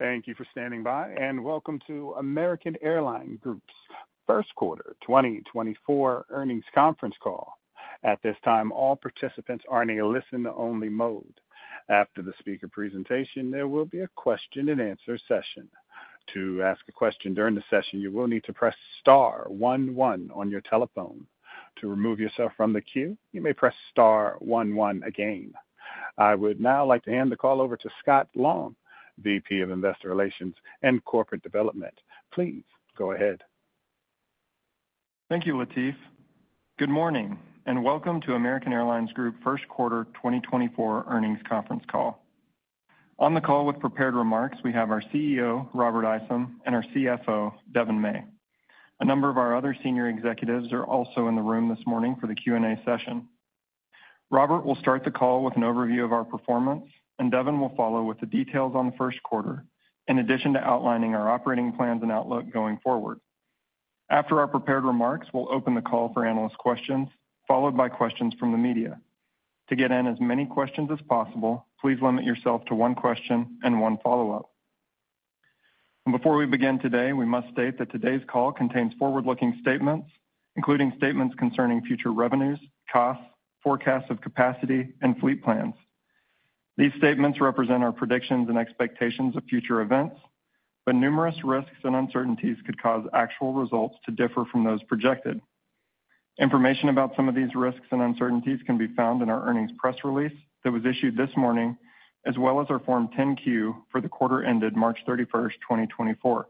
Thank you for standing by, and welcome to American Airlines Group's first quarter 2024 earnings conference call. At this time, all participants are in a listen-only mode. After the speaker presentation, there will be a question-and-answer session. To ask a question during the session, you will need to press star one one on your telephone. To remove yourself from the queue, you may press star one one again. I would now like to hand the call over to Scott Long, VP of Investor Relations and Corporate Development. Please go ahead. Thank you, Latif. Good morning, and welcome to American Airlines Group first quarter 2024 earnings conference call. On the call with prepared remarks, we have our CEO, Robert Isom, and our CFO, Devon May. A number of our other senior executives are also in the room this morning for the Q&A session. Robert will start the call with an overview of our performance, and Devon will follow with the details on the first quarter, in addition to outlining our operating plans and outlook going forward. After our prepared remarks, we'll open the call for analyst questions, followed by questions from the media. To get in as many questions as possible, please limit yourself to one question and one follow-up. Before we begin today, we must state that today's call contains forward-looking statements, including statements concerning future revenues, costs, forecasts of capacity, and fleet plans. These statements represent our predictions and expectations of future events, but numerous risks and uncertainties could cause actual results to differ from those projected. Information about some of these risks and uncertainties can be found in our earnings press release that was issued this morning, as well as our Form 10-Q for the quarter ended March 31, 2024.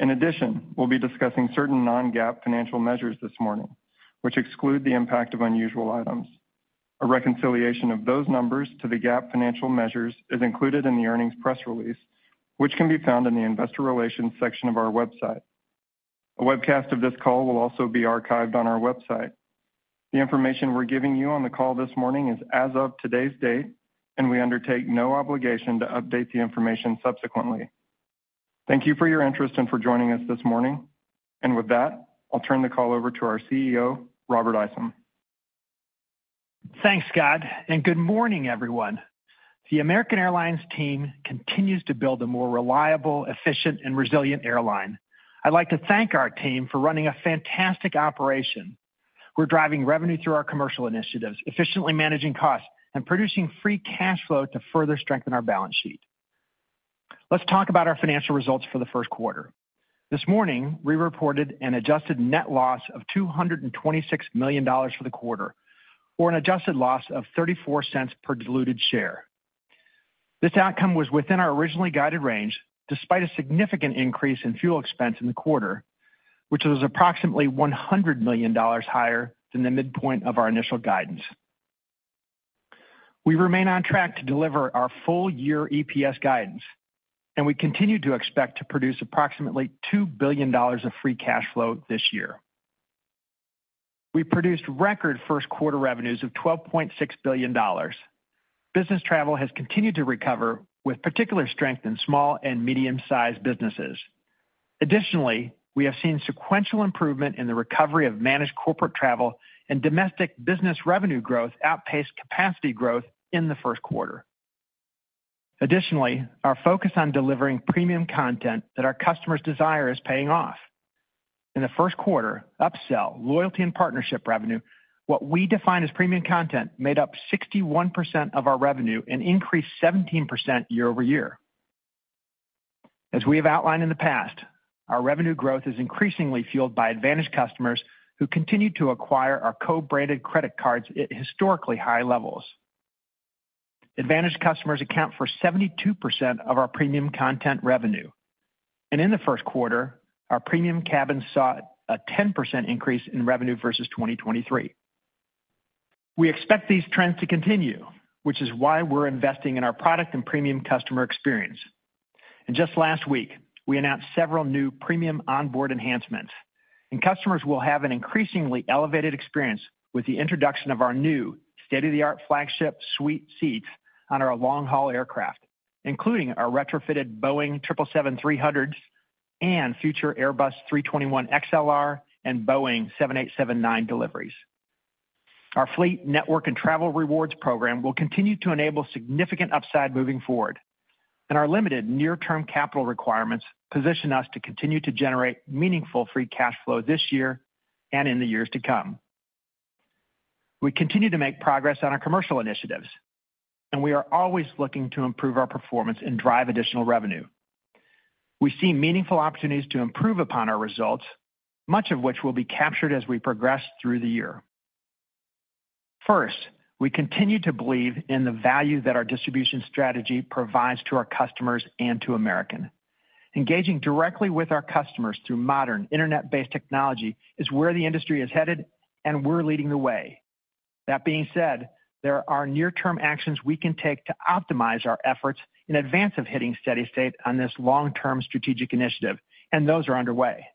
In addition, we'll be discussing certain non-GAAP financial measures this morning, which exclude the impact of unusual items. A reconciliation of those numbers to the GAAP financial measures is included in the earnings press release, which can be found in the investor relations section of our website. A webcast of this call will also be archived on our website. The information we're giving you on the call this morning is as of today's date, and we undertake no obligation to update the information subsequently. Thank you for your interest and for joining us this morning. With that, I'll turn the call over to our CEO, Robert Isom. Thanks, Scott, and good morning, everyone. The American Airlines team continues to build a more reliable, efficient, and resilient airline. I'd like to thank our team for running a fantastic operation. We're driving revenue through our commercial initiatives, efficiently managing costs and producing free cash flow to further strengthen our balance sheet. Let's talk about our financial results for the first quarter. This morning, we reported an adjusted net loss of $226 million for the quarter, or an adjusted loss of $0.34 per diluted share. This outcome was within our originally guided range, despite a significant increase in fuel expense in the quarter, which was approximately $100 million higher than the midpoint of our initial guidance. We remain on track to deliver our full-year EPS guidance, and we continue to expect to produce approximately $2 billion of free cash flow this year. We produced record first quarter revenues of $12.6 billion. Business travel has continued to recover, with particular strength in small and medium-sized businesses. Additionally, we have seen sequential improvement in the recovery of managed corporate travel and domestic business revenue growth outpaced capacity growth in the first quarter. Additionally, our focus on delivering premium content that our customers desire is paying off. In the first quarter, upsell, loyalty, and partnership revenue, what we define as premium content, made up 61% of our revenue and increased 17% year-over-year. As we have outlined in the past, our revenue growth is increasingly fueled by AAdvantage customers who continue to acquire our co-branded credit cards at historically high levels. AAdvantage customers account for 72% of our premium cabin revenue, and in the first quarter, our premium cabins saw a 10% increase in revenue versus 2023. We expect these trends to continue, which is why we're investing in our product and premium customer experience. Just last week, we announced several new premium onboard enhancements, and customers will have an increasingly elevated experience with the introduction of our new state-of-the-art Flagship Suite seats on our long-haul aircraft, including our retrofitted Boeing 777-300s and future Airbus 321XLR and Boeing 787-9 deliveries. Our fleet, network, and travel rewards program will continue to enable significant upside moving forward, and our limited near-term capital requirements position us to continue to generate meaningful free cash flow this year and in the years to come. We continue to make progress on our commercial initiatives, and we are always looking to improve our performance and drive additional revenue. We see meaningful opportunities to improve upon our results, much of which will be captured as we progress through the year. First, we continue to believe in the value that our distribution strategy provides to our customers and to American. Engaging directly with our customers through modern, internet-based technology is where the industry is headed, and we're leading the way. That being said, there are near-term actions we can take to optimize our efforts in advance of hitting steady state on this long-term strategic initiative, and those are underway.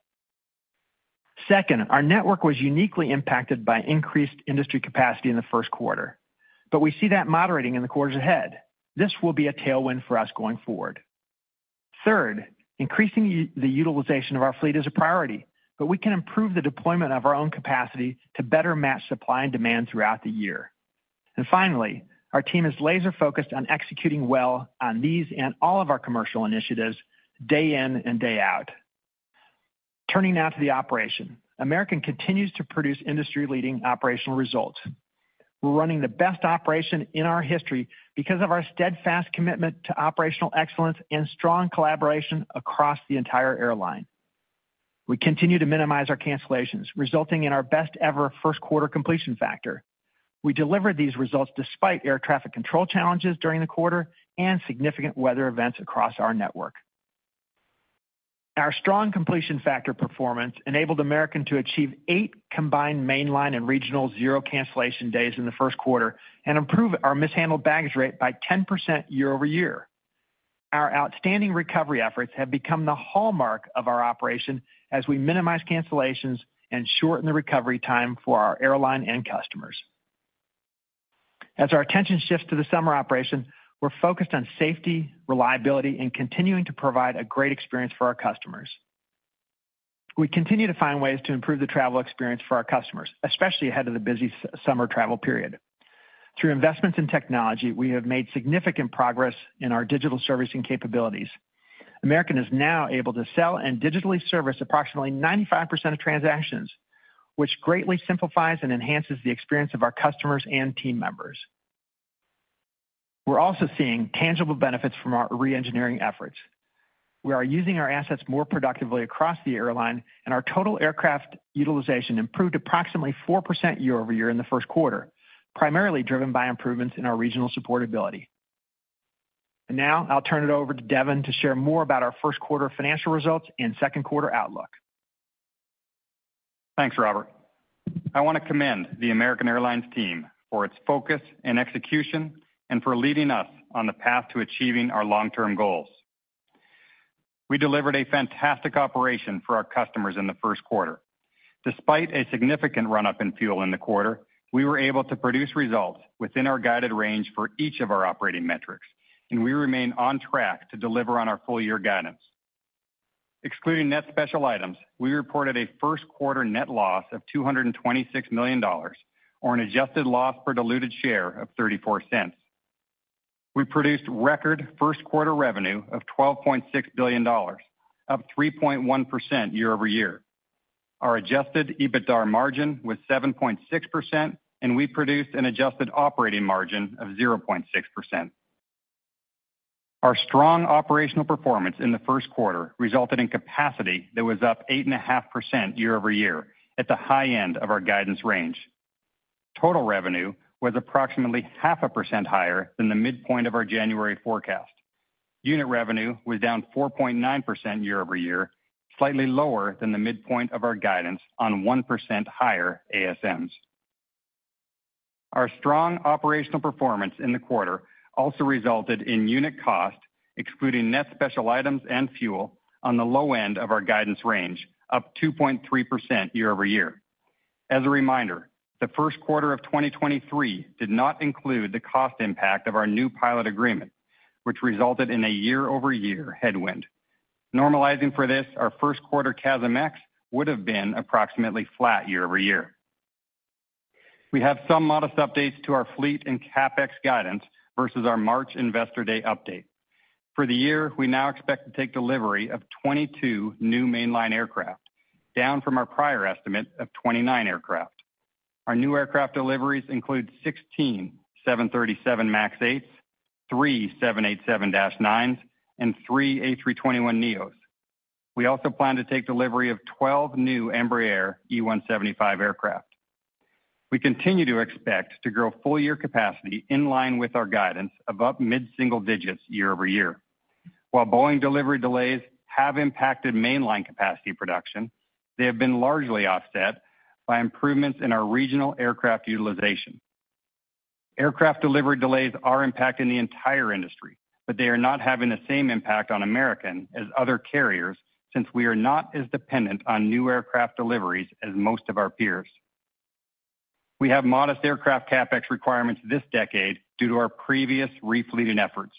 Second, our network was uniquely impacted by increased industry capacity in the first quarter, but we see that moderating in the quarters ahead. This will be a tailwind for us going forward. Third, increasing the utilization of our fleet is a priority, but we can improve the deployment of our own capacity to better match supply and demand throughout the year. And finally, our team is laser-focused on executing well on these and all of our commercial initiatives, day in and day out. Turning now to the operation. American continues to produce industry-leading operational results. We're running the best operation in our history because of our steadfast commitment to operational excellence and strong collaboration across the entire airline. We continue to minimize our cancellations, resulting in our best-ever first quarter completion factor. We delivered these results despite air traffic control challenges during the quarter and significant weather events across our network. Our strong completion factor performance enabled American to achieve eight combined mainline and regional zero cancellation days in the first quarter and improve our mishandled baggage rate by 10% year-over-year. Our outstanding recovery efforts have become the hallmark of our operation as we minimize cancellations and shorten the recovery time for our airline and customers. As our attention shifts to the summer operation, we're focused on safety, reliability, and continuing to provide a great experience for our customers. We continue to find ways to improve the travel experience for our customers, especially ahead of the busy summer travel period. Through investments in technology, we have made significant progress in our digital servicing capabilities. American is now able to sell and digitally service approximately 95% of transactions, which greatly simplifies and enhances the experience of our customers and team members. We're also seeing tangible benefits from our reengineering efforts. We are using our assets more productively across the airline, and our total aircraft utilization improved approximately 4% year-over-year in the first quarter, primarily driven by improvements in our regional supportability. And now, I'll turn it over to Devon to share more about our first quarter financial results and second quarter outlook. Thanks, Robert. I want to commend the American Airlines team for its focus and execution and for leading us on the path to achieving our long-term goals. We delivered a fantastic operation for our customers in the first quarter. Despite a significant run-up in fuel in the quarter, we were able to produce results within our guided range for each of our operating metrics, and we remain on track to deliver on our full-year guidance. Excluding net special items, we reported a first quarter net loss of $226 million or an adjusted loss per diluted share of $0.34. We produced record first quarter revenue of $12.6 billion, up 3.1% year-over-year. Our adjusted EBITDAR margin was 7.6%, and we produced an adjusted operating margin of 0.6%. Our strong operational performance in the first quarter resulted in capacity that was up 8.5% year-over-year, at the high end of our guidance range. Total revenue was approximately 0.5% higher than the midpoint of our January forecast. Unit revenue was down 4.9% year-over-year, slightly lower than the midpoint of our guidance on 1% higher ASMs. Our strong operational performance in the quarter also resulted in unit cost, excluding net special items and fuel, on the low end of our guidance range, up 2.3% year-over-year. As a reminder, the first quarter of 2023 did not include the cost impact of our new pilot agreement, which resulted in a year-over-year headwind. Normalizing for this, our first quarter CASM-ex would have been approximately flat year-over-year. We have some modest updates to our fleet and CapEx guidance versus our March Investor Day update. For the year, we now expect to take delivery of 22 new mainline aircraft, down from our prior estimate of 29 aircraft. Our new aircraft deliveries include 16 737 MAX 8s, three 787-9s, and three A321neos. We also plan to take delivery of 12 new Embraer E175 aircraft. We continue to expect to grow full-year capacity in line with our guidance of up mid-single digits year-over-year. While Boeing delivery delays have impacted mainline capacity production, they have been largely offset by improvements in our regional aircraft utilization. Aircraft delivery delays are impacting the entire industry, but they are not having the same impact on American as other carriers, since we are not as dependent on new aircraft deliveries as most of our peers. We have modest aircraft CapEx requirements this decade due to our previous refleeting efforts.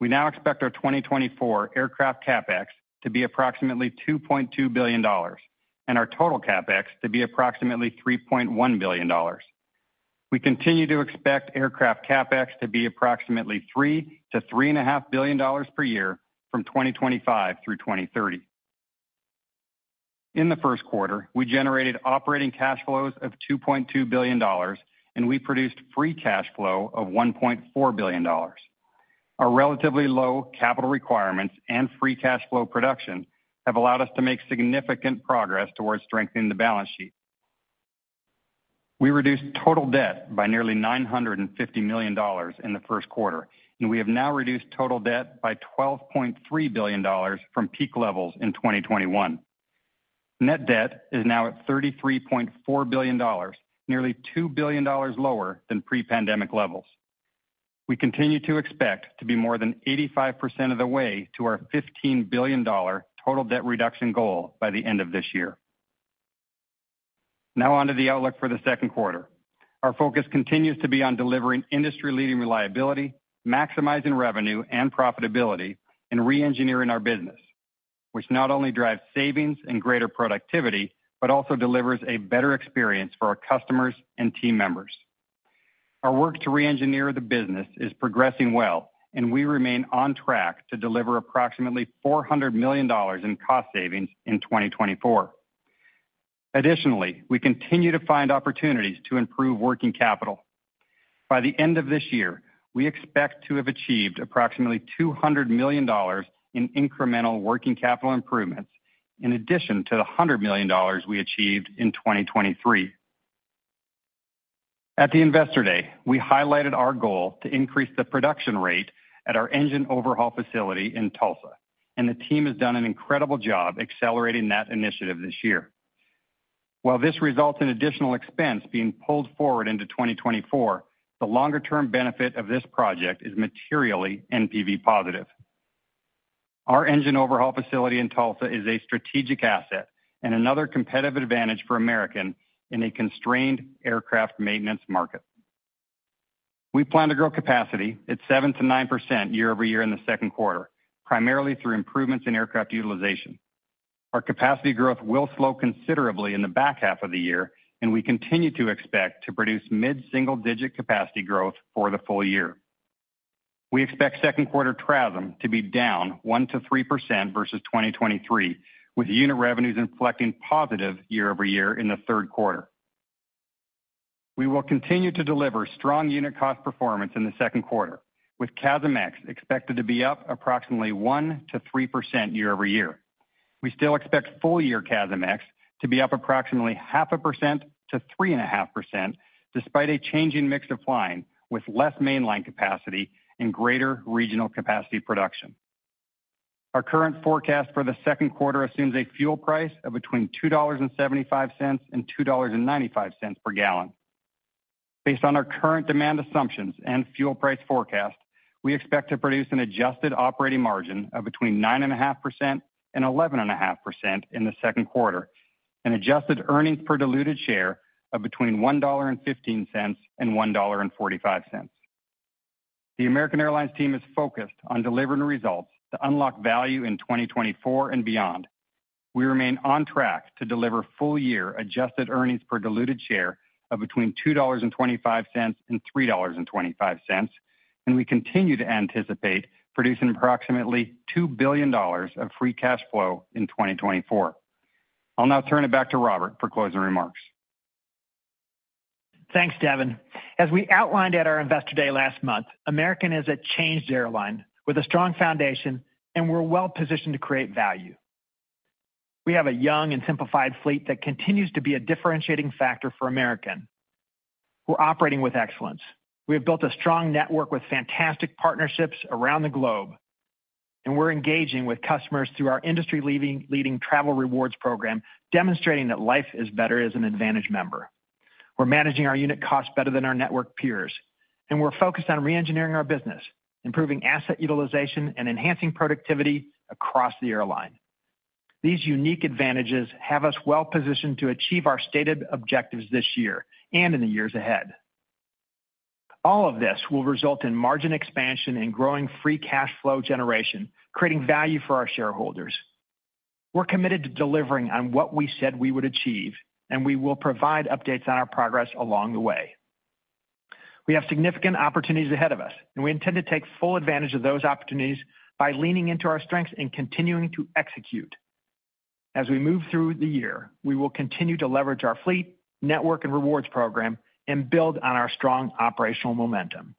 We now expect our 2024 aircraft CapEx to be approximately $2.2 billion, and our total CapEx to be approximately $3.1 billion. We continue to expect aircraft CapEx to be approximately $3-$3.5 billion per year from 2025 through 2030. In the first quarter, we generated operating cash flows of $2.2 billion, and we produced free cash flow of $1.4 billion. Our relatively low capital requirements and free cash flow production have allowed us to make significant progress towards strengthening the balance sheet. We reduced total debt by nearly $950 million in the first quarter, and we have now reduced total debt by $12.3 billion from peak levels in 2021. Net debt is now at $33.4 billion, nearly $2 billion lower than pre-pandemic levels. We continue to expect to be more than 85% of the way to our $15 billion total debt reduction goal by the end of this year. Now, onto the outlook for the second quarter. Our focus continues to be on delivering industry-leading reliability, maximizing revenue and profitability, and reengineering our business, which not only drives savings and greater productivity, but also delivers a better experience for our customers and team members. Our work to reengineer the business is progressing well, and we remain on track to deliver approximately $400 million in cost savings in 2024. Additionally, we continue to find opportunities to improve working capital. By the end of this year, we expect to have achieved approximately $200 million in incremental working capital improvements, in addition to the $100 million we achieved in 2023. At the Investor Day, we highlighted our goal to increase the production rate at our engine overhaul facility in Tulsa, and the team has done an incredible job accelerating that initiative this year. While this results in additional expense being pulled forward into 2024, the longer-term benefit of this project is materially NPV positive. Our engine overhaul facility in Tulsa is a strategic asset and another competitive advantage for American in a constrained aircraft maintenance market. We plan to grow capacity at 7%-9% year-over-year in the second quarter, primarily through improvements in aircraft utilization. Our capacity growth will slow considerably in the back half of the year, and we continue to expect to produce mid-single-digit capacity growth for the full year. We expect second quarter TRASM to be down 1%-3% versus 2023, with unit revenues inflecting positive year-over-year in the third quarter. We will continue to deliver strong unit cost performance in the second quarter, with CASM-ex expected to be up approximately 1%-3% year-over-year. We still expect full-year CASM-ex to be up approximately 0.5%-3.5%, despite a changing mix of flying, with less mainline capacity and greater regional capacity production. Our current forecast for the second quarter assumes a fuel price of between $2.75 and $2.95 per gallon. Based on our current demand assumptions and fuel price forecast, we expect to produce an adjusted operating margin of between 9.5% and 11.5% in the second quarter, and adjusted earnings per diluted share of between $1.15 and $1.45. The American Airlines team is focused on delivering the results to unlock value in 2024 and beyond. We remain on track to deliver full-year adjusted earnings per diluted share of between $2.25 and $3.25, and we continue to anticipate producing approximately $2 billion of free cash flow in 2024. I'll now turn it back to Robert for closing remarks. Thanks, Devon. As we outlined at our Investor Day last month, American is a changed airline with a strong foundation, and we're well positioned to create value. We have a young and simplified fleet that continues to be a differentiating factor for American. We're operating with excellence. We have built a strong network with fantastic partnerships around the globe, and we're engaging with customers through our industry-leading travel rewards program, demonstrating that life is better as an AAdvantage member. We're managing our unit costs better than our network peers, and we're focused on reengineering our business, improving asset utilization, and enhancing productivity across the airline. These unique advantages have us well positioned to achieve our stated objectives this year and in the years ahead. All of this will result in margin expansion and growing free cash flow generation, creating value for our shareholders. We're committed to delivering on what we said we would achieve, and we will provide updates on our progress along the way. We have significant opportunities ahead of us, and we intend to take full advantage of those opportunities by leaning into our strengths and continuing to execute. As we move through the year, we will continue to leverage our fleet, network, and rewards program and build on our strong operational momentum.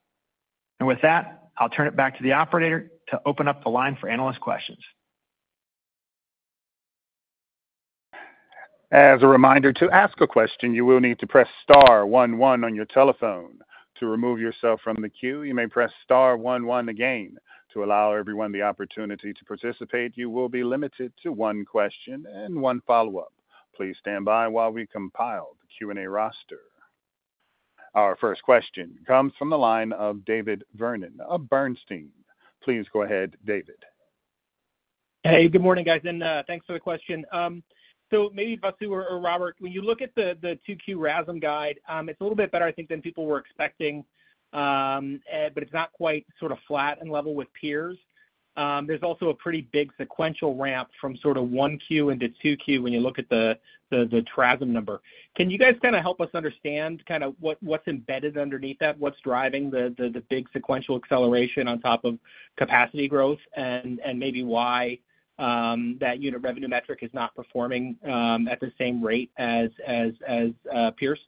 With that, I'll turn it back to the operator to open up the line for analyst questions. As a reminder, to ask a question, you will need to press star one one on your telephone. To remove yourself from the queue, you may press star one one again. To allow everyone the opportunity to participate, you will be limited to one question and one follow-up. Please stand by while we compile the Q&A roster. Our first question comes from the line of David Vernon of Bernstein. Please go ahead, David. Hey, good morning, guys, and thanks for the question. So maybe Vasu or Robert, when you look at the 2Q RASM guide, it's a little bit better, I think, than people were expecting, but it's not quite sort of flat and level with peers. There's also a pretty big sequential ramp from sort of 1Q into 2Q when you look at the TRASM number. Can you guys kinda help us understand kinda what's embedded underneath that? What's driving the big sequential acceleration on top of capacity growth, and maybe why that unit revenue metric is not performing at the same rate as peers?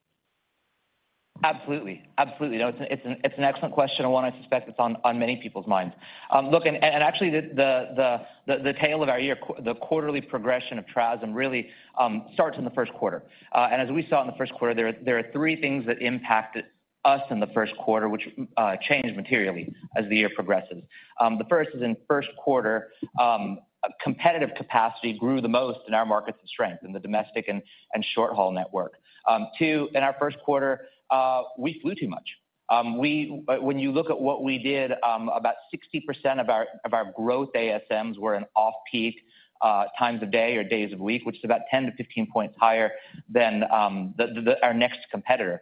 Absolutely. Absolutely. No, it's an excellent question, and one I suspect that's on many people's minds. Actually, the tail of our year, the quarterly progression of TRASM really starts in the first quarter. And as we saw in the first quarter, there are three things that impacted us in the first quarter, which changed materially as the year progresses. The first is, in first quarter, competitive capacity grew the most in our markets of strength, in the domestic and short-haul network. Two, in our first quarter, we flew too much. We, when you look at what we did, about 60% of our growth ASMs were in off-peak times of day or days of week, which is about 10-15 points higher than our next competitor.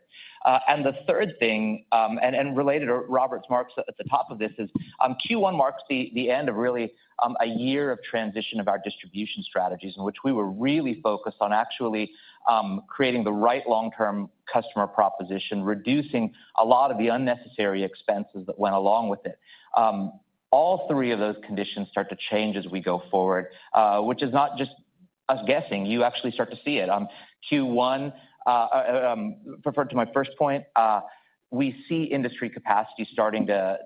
And the third thing, and related to Robert's marks at the top of this, is Q1 marks the end of really a year of transition of our distribution strategies, in which we were really focused on actually creating the right long-term customer proposition, reducing a lot of the unnecessary expenses that went along with it. All three of those conditions start to change as we go forward, which is not just us guessing, you actually start to see it. Q1 referred to my first point, we see industry capacity starting to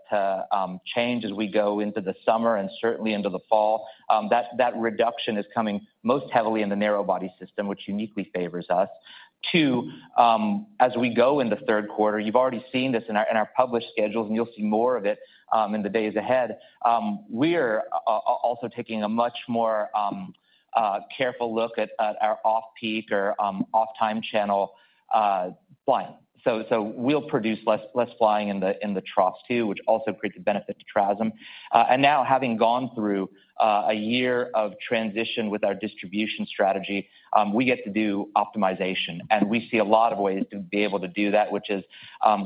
change as we go into the summer and certainly into the fall. That reduction is coming most heavily in the narrow body system, which uniquely favors us. Two, as we go in the third quarter, you've already seen this in our published schedules, and you'll see more of it in the days ahead. We're also taking a much more careful look at our off-peak or off-time channel flying. So we'll produce less flying in the troughs too, which also creates a benefit to TRASM. And now, having gone through a year of transition with our distribution strategy, we get to do optimization, and we see a lot of ways to be able to do that, which is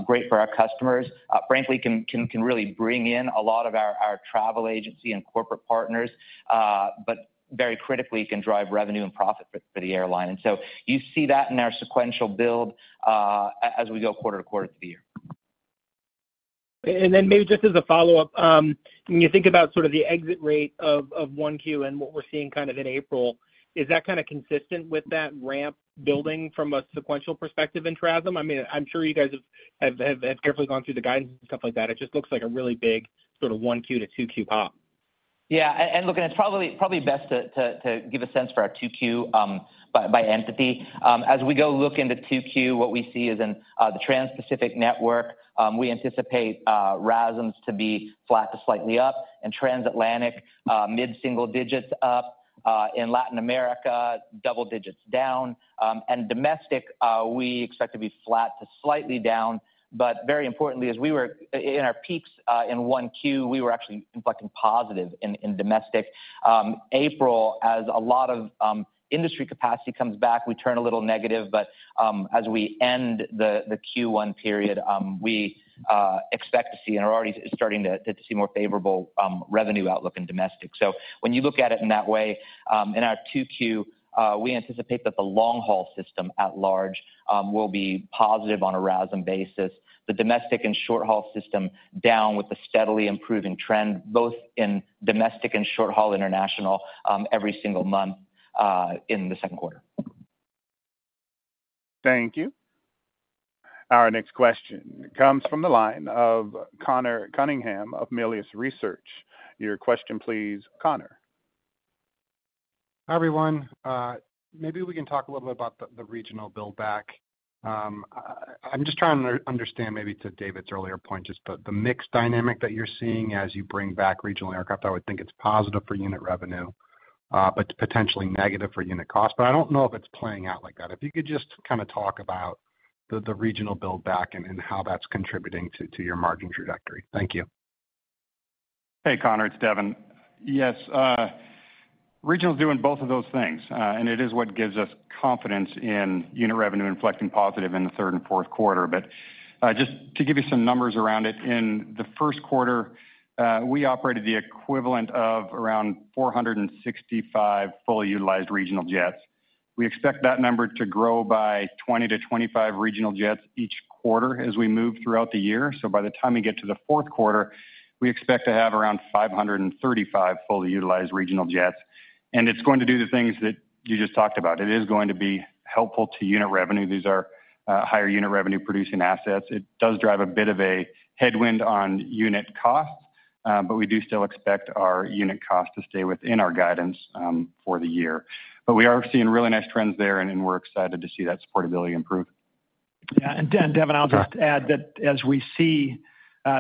great for our customers. Frankly, can really bring in a lot of our travel agency and corporate partners, but very critically, can drive revenue and profit for the airline. And so you see that in our sequential build, as we go quarter-to-quarter through the year. Then maybe just as a follow-up, when you think about sort of the exit rate of 1Q and what we're seeing kind of in April, is that kind of consistent with that ramp building from a sequential perspective in TRASM? I mean, I'm sure you guys have carefully gone through the guidance and stuff like that. It just looks like a really big sort of 1Q to 2Q pop. Yeah, and look, and it's probably best to give a sense for our 2Q by entity. As we go look into 2Q, what we see is in the Transpacific network, we anticipate RASMs to be flat to slightly up, and Transatlantic mid-single digits up, in Latin America, double digits down, and domestic, we expect to be flat to slightly down. But very importantly, as we were in our peaks in 1Q, we were actually inflecting positive in domestic. April, as a lot of industry capacity comes back, we turn a little negative, but as we end the Q1 period, we expect to see and are already starting to see more favorable revenue outlook in domestic. So when you look at it in that way, in our 2Q, we anticipate that the long-haul system at large will be positive on a RASM basis, the domestic and short-haul system down with a steadily improving trend, both in domestic and short-haul international, every single month in the second quarter. Thank you. Our next question comes from the line of Conor Cunningham of Melius Research. Your question, please, Conor. Hi, everyone. Maybe we can talk a little bit about the regional build back. I'm just trying to understand, maybe to David's earlier point, just about the mix dynamic that you're seeing as you bring back regional aircraft. I would think it's positive for unit revenue, but potentially negative for unit cost, but I don't know if it's playing out like that. If you could just kind of talk about the regional build back and how that's contributing to your margin trajectory. Thank you. Hey, Conor, it's Devon. Yes, regional is doing both of those things, and it is what gives us confidence in unit revenue inflecting positive in the third and fourth quarter. But, just to give you some numbers around it, in the first quarter, we operated the equivalent of around 465 fully utilized regional jets. We expect that number to grow by 20-25 regional jets each quarter as we move throughout the year. So by the time we get to the fourth quarter, we expect to have around 535 fully utilized regional jets. And it's going to do the things that you just talked about. It is going to be helpful to unit revenue. These are higher unit revenue-producing assets. It does drive a bit of a headwind on unit costs, but we do still expect our unit costs to stay within our guidance, for the year. But we are seeing really nice trends there, and we're excited to see that supportability improve. Yeah, and Devon, I'll just add that as we see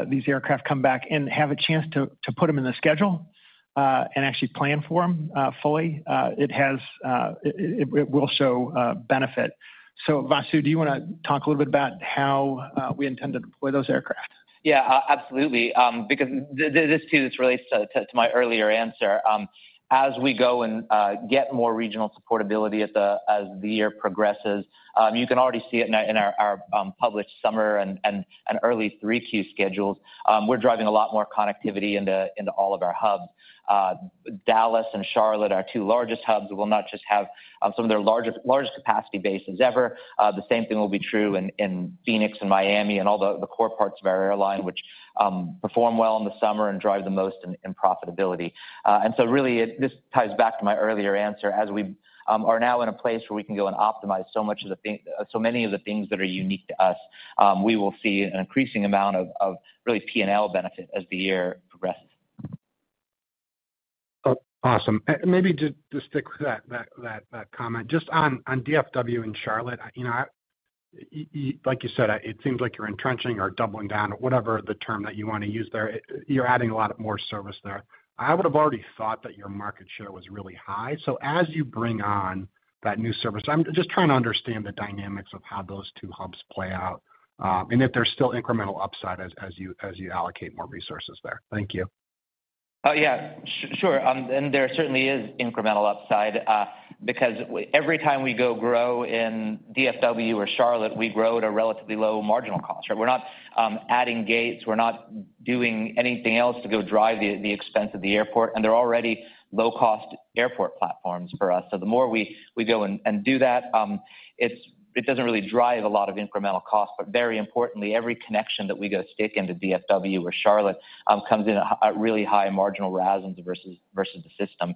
these aircraft come back and have a chance to put them in the schedule and actually plan for them fully, it will show benefit. So Vasu, do you wanna talk a little bit about how we intend to deploy those aircraft? Yeah, absolutely. Because this too, this relates to my earlier answer. As we go and get more regional supportability as the year progresses, you can already see it in our published summer and early 3Q schedules. We're driving a lot more connectivity into all of our hubs. Dallas and Charlotte, our two largest hubs, will not just have some of their largest capacity bases ever. The same thing will be true in Phoenix and Miami and all the core parts of our airline, which perform well in the summer and drive the most in profitability. And so really, this ties back to my earlier answer as we are now in a place where we can go and optimize so many of the things that are unique to us. We will see an increasing amount of really P&L benefit as the year progresses. Awesome. And maybe just to stick with that comment, just on DFW and Charlotte, you know, I like you said, it seems like you're entrenching or doubling down or whatever the term that you want to use there, you're adding a lot more service there. I would have already thought that your market share was really high. So as you bring on that new service, I'm just trying to understand the dynamics of how those two hubs play out, and if there's still incremental upside as you allocate more resources there. Thank you. Oh, yeah, sure. And there certainly is incremental upside, because every time we grow in DFW or Charlotte, we grow at a relatively low marginal cost, right? We're not adding gates, we're not doing anything else to go drive the expense of the airport, and they're already low-cost airport platforms for us. So the more we go and do that, it doesn't really drive a lot of incremental cost, but very importantly, every connection that we go stick into DFW with Charlotte comes in at really high marginal RASMs versus the system.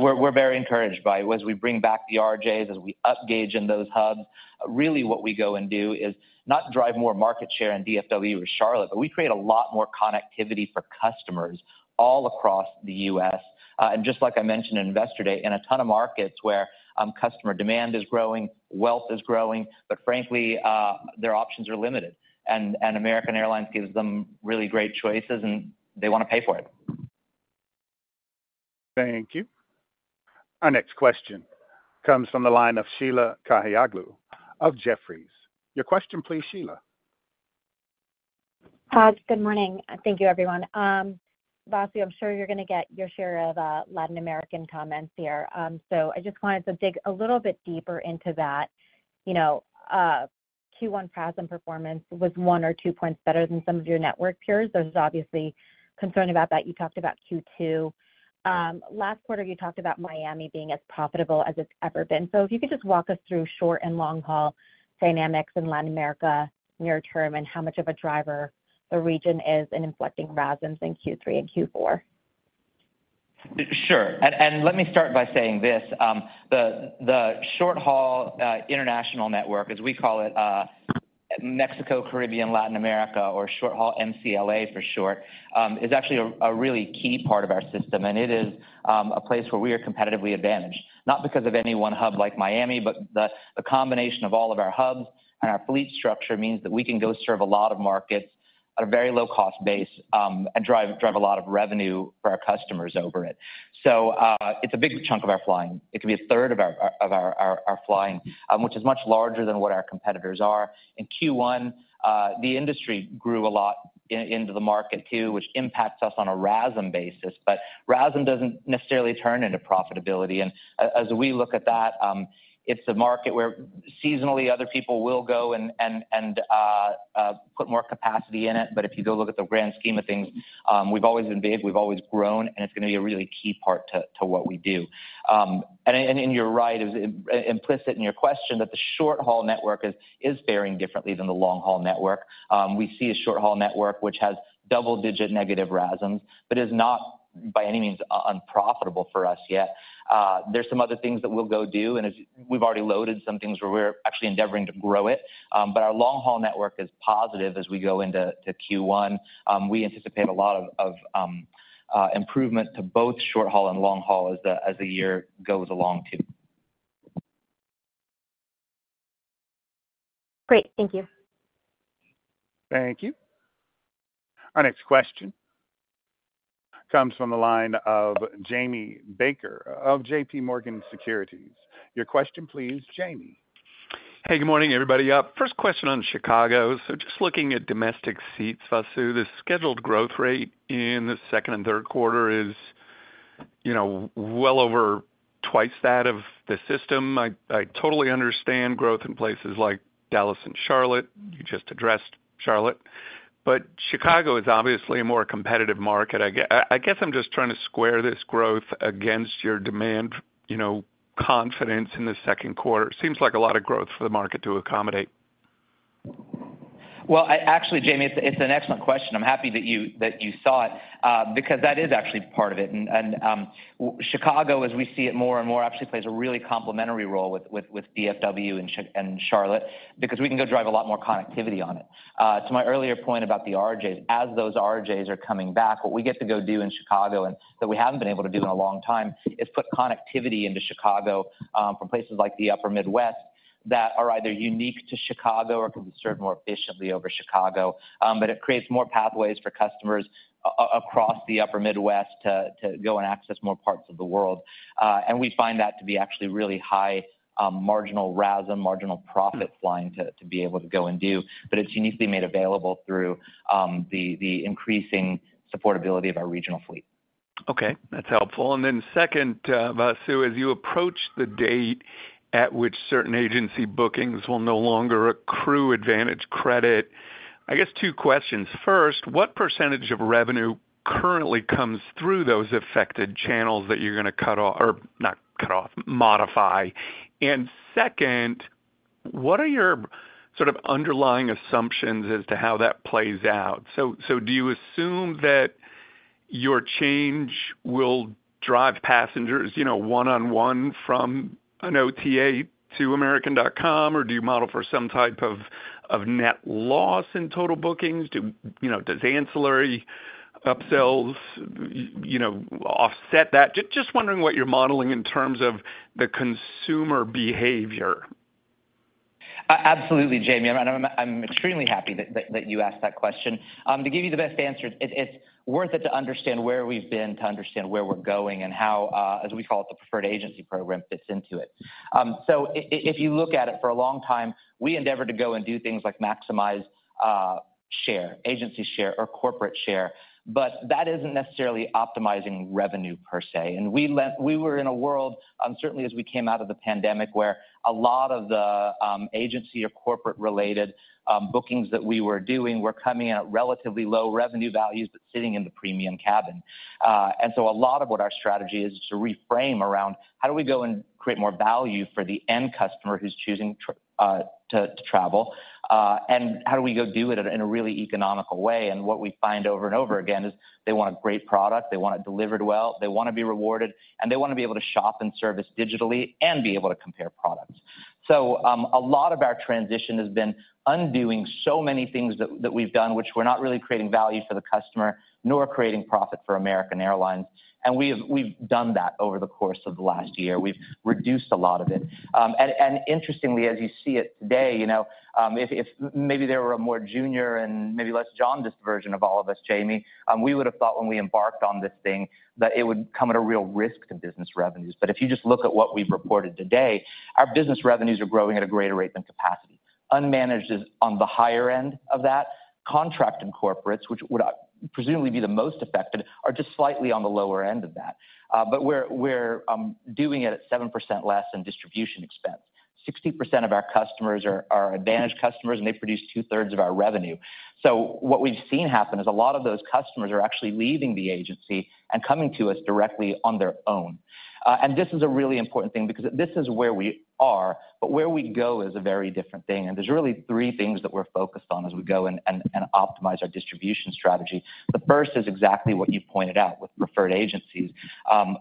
We're very encouraged, as we bring back the RJs, as we up gauge in those hubs. Really what we go and do is not drive more market share in DFW or Charlotte, but we create a lot more connectivity for customers all across the US. And just like I mentioned in Investor Day, in a ton of markets where customer demand is growing, wealth is growing, but frankly, their options are limited, and American Airlines gives them really great choices, and they wanna pay for it. Thank you. Our next question comes from the line of Sheila Kahyaoglu of Jefferies. Your question please, Sheila. Hi, good morning, and thank you, everyone. Vasu, I'm sure you're gonna get your share of Latin American comments here. So I just wanted to dig a little bit deeper into that. You know, Q1 RASM performance was one or two points better than some of your network peers. There's obviously concern about that. You talked about Q2. Last quarter, you talked about Miami being as profitable as it's ever been. So if you could just walk us through short and long-haul dynamics in Latin America near term, and how much of a driver the region is in inflicting RASMs in Q3 and Q4. Sure, let me start by saying this, the short-haul international network, as we call it, Mexico, Caribbean, Latin America, or short-haul MCLA for short, is actually a really key part of our system, and it is a place where we are competitively advantaged, not because of any one hub like Miami, but the combination of all of our hubs and our fleet structure means that we can go serve a lot of markets at a very low cost base, and drive a lot of revenue for our customers over it. So, it's a big chunk of our flying. It could be a third of our flying, which is much larger than what our competitors are. In Q1, the industry grew a lot into the market, too, which impacts us on a RASM basis, but RASM doesn't necessarily turn into profitability. As we look at that, it's a market where seasonally other people will go and put more capacity in it. But if you go look at the grand scheme of things, we've always been big, we've always grown, and it's gonna be a really key part to what we do. You're right, it was implicit in your question that the short-haul network is faring differently than the long-haul network. We see a short-haul network which has double-digit negative RASMs, but is not by any means unprofitable for us yet. There's some other things that we'll go do, and as we've already loaded some things where we're actually endeavoring to grow it. But our long-haul network is positive as we go into Q1. We anticipate a lot of improvement to both short-haul and long-haul as the year goes along, too. Great. Thank you. Thank you. Our next question comes from the line of Jamie Baker of JPMorgan Securities. Your question, please, Jamie. Hey, good morning, everybody. First question on Chicago. So just looking at domestic seats, Vasu, the scheduled growth rate in the second and third quarter is, you know, well over twice that of the system. I totally understand growth in places like Dallas and Charlotte. You just addressed Charlotte, but Chicago is obviously a more competitive market. I guess I'm just trying to square this growth against your demand, you know, confidence in the second quarter. Seems like a lot of growth for the market to accommodate. Well, actually, Jamie, it's an excellent question. I'm happy that you saw it, because that is actually part of it. And Chicago, as we see it more and more, actually plays a really complementary role with DFW and Charlotte because we can drive a lot more connectivity on it. To my earlier point about the RJs, as those RJs are coming back, what we get to do in Chicago, and that we haven't been able to do in a long time, is put connectivity into Chicago from places like the Upper Midwest that are either unique to Chicago or can be served more efficiently over Chicago. But it creates more pathways for customers across the Upper Midwest to go and access more parts of the world. And we find that to be actually really high marginal RASM, marginal profit flying to be able to go and do, but it's uniquely made available through the increasing supportability of our regional fleet. Okay, that's helpful. And then second, Vasu, as you approach the date at which certain agency bookings will no longer accrue advantage credit, I guess two questions. First, what percentage of revenue currently comes through those affected channels that you're gonna cut off, or not cut off, modify? And second, what are your sort of underlying assumptions as to how that plays out? So do you assume that your change will drive passengers, you know, one-on-one from an OTA to american.com, or do you model for some type of net loss in total bookings? You know, does ancillary upsells offset that? Just wondering what you're modeling in terms of the consumer behavior. Absolutely, Jamie, and I'm extremely happy that you asked that question. To give you the best answer, it's worth it to understand where we've been, to understand where we're going and how, as we call it, the Preferred Agency program fits into it. So if you look at it, for a long time, we endeavored to go and do things like maximize share, agency share, or corporate share, but that isn't necessarily optimizing revenue per se. And we were in a world, certainly as we came out of the pandemic, where a lot of the agency or corporate-related bookings that we were doing were coming in at relatively low revenue values, but sitting in the premium cabin. And so a lot of what our strategy is to reframe around how do we go and create more value for the end customer who's choosing to travel, and how do we go do it in a really economical way. And what we find over and over again is they want a great product, they want it delivered well, they wanna be rewarded, and they wanna be able to shop and service digitally and be able to compare products. So, a lot of our transition has been undoing so many things that we've done, which we're not really creating value for the customer, nor creating profit for American Airlines. And we've done that over the course of the last year. We've reduced a lot of it. Interestingly, as you see it today, you know, if maybe there were a more junior and maybe less jaundiced version of all of us, Jamie, we would have thought when we embarked on this thing, that it would come at a real risk to business revenues. But if you just look at what we've reported today, our business revenues are growing at a greater rate than capacity. Unmanaged is on the higher end of that. Contract and corporates, which would presumably be the most affected, are just slightly on the lower end of that. But we're doing it at 7% less than distribution expense. 60% of our customers are AAdvantage customers, and they produce 2/3 of our revenue. So what we've seen happen is a lot of those customers are actually leaving the agency and coming to us directly on their own. And this is a really important thing because this is where we are, but where we go is a very different thing, and there's really three things that we're focused on as we go and optimize our distribution strategy. The first is exactly what you pointed out with referred agencies.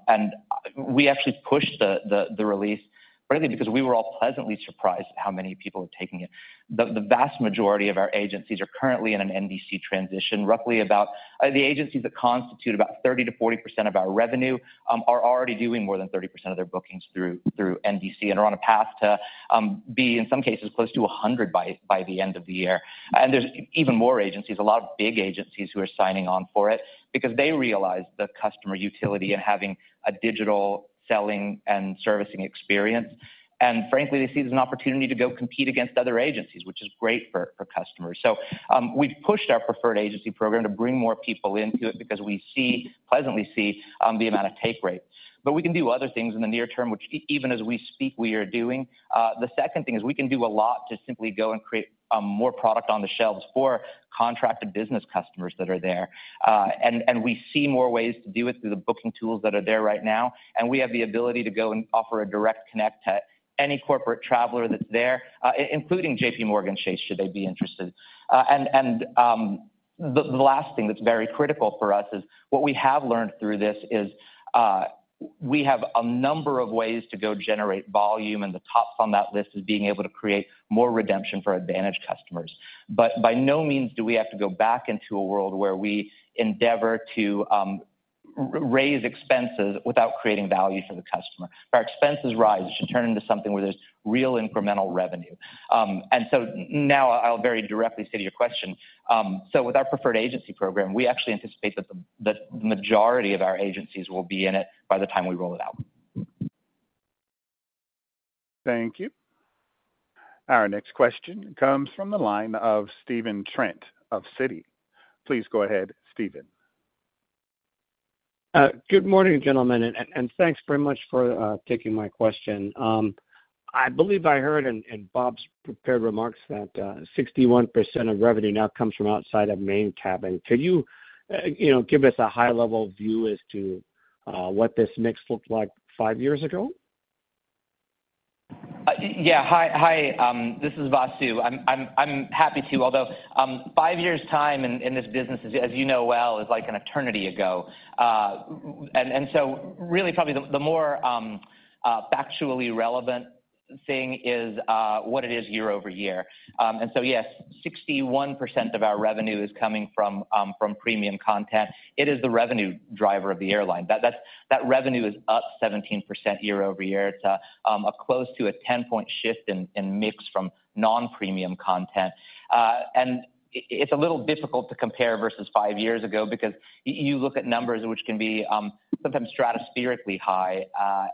And we actually pushed the release partly because we were all pleasantly surprised at how many people are taking it. The vast majority of our agencies are currently in an NDC transition. Roughly about, the agencies that constitute about 30%-40% of our revenue, are already doing more than 30% of their bookings through NDC and are on a path to, be, in some cases, close to 100% by the end of the year. And there's even more agencies, a lot of big agencies, who are signing on for it because they realize the customer utility in having a digital selling and servicing experience. And frankly, they see it as an opportunity to go compete against other agencies, which is great for customers. So, we've pushed our preferred agency program to bring more people into it because we see, pleasantly see, the amount of take rate. But we can do other things in the near term, which even as we speak, we are doing. The second thing is we can do a lot to simply go and create more product on the shelves for contracted business customers that are there. And we see more ways to do it through the booking tools that are there right now, and we have the ability to go and offer a direct connect to any corporate traveler that's there, including JPMorgan Chase, should they be interested. And the last thing that's very critical for us is what we have learned through this is we have a number of ways to go generate volume, and the top on that list is being able to create more redemption for Advantage customers. But by no means do we have to go back into a world where we endeavor to raise expenses without creating value for the customer. If our expenses rise, it should turn into something where there's real incremental revenue. So now I'll very directly say to your question, so with our preferred agency program, we actually anticipate that the majority of our agencies will be in it by the time we roll it out. Thank you. Our next question comes from the line of Stephen Trent of Citi. Please go ahead, Stephen. Good morning, gentlemen, and thanks very much for taking my question. I believe I heard in Bob's prepared remarks that 61% of revenue now comes from outside of main cabin. Can you, you know, give us a high-level view as to what this mix looked like five years ago? Yeah. Hi. This is Vasu. I'm happy to, although five years' time in this business, as you know well, is like an eternity ago. And so really probably the more factually relevant thing is what it is year-over-year. And so yes, 61% of our revenue is coming from premium content. It is the revenue driver of the airline. That's—that revenue is up 17% year-over-year. It's close to a 10-point shift in mix from non-premium content. And it, it's a little difficult to compare versus five years ago because you look at numbers which can be, sometimes stratospherically high,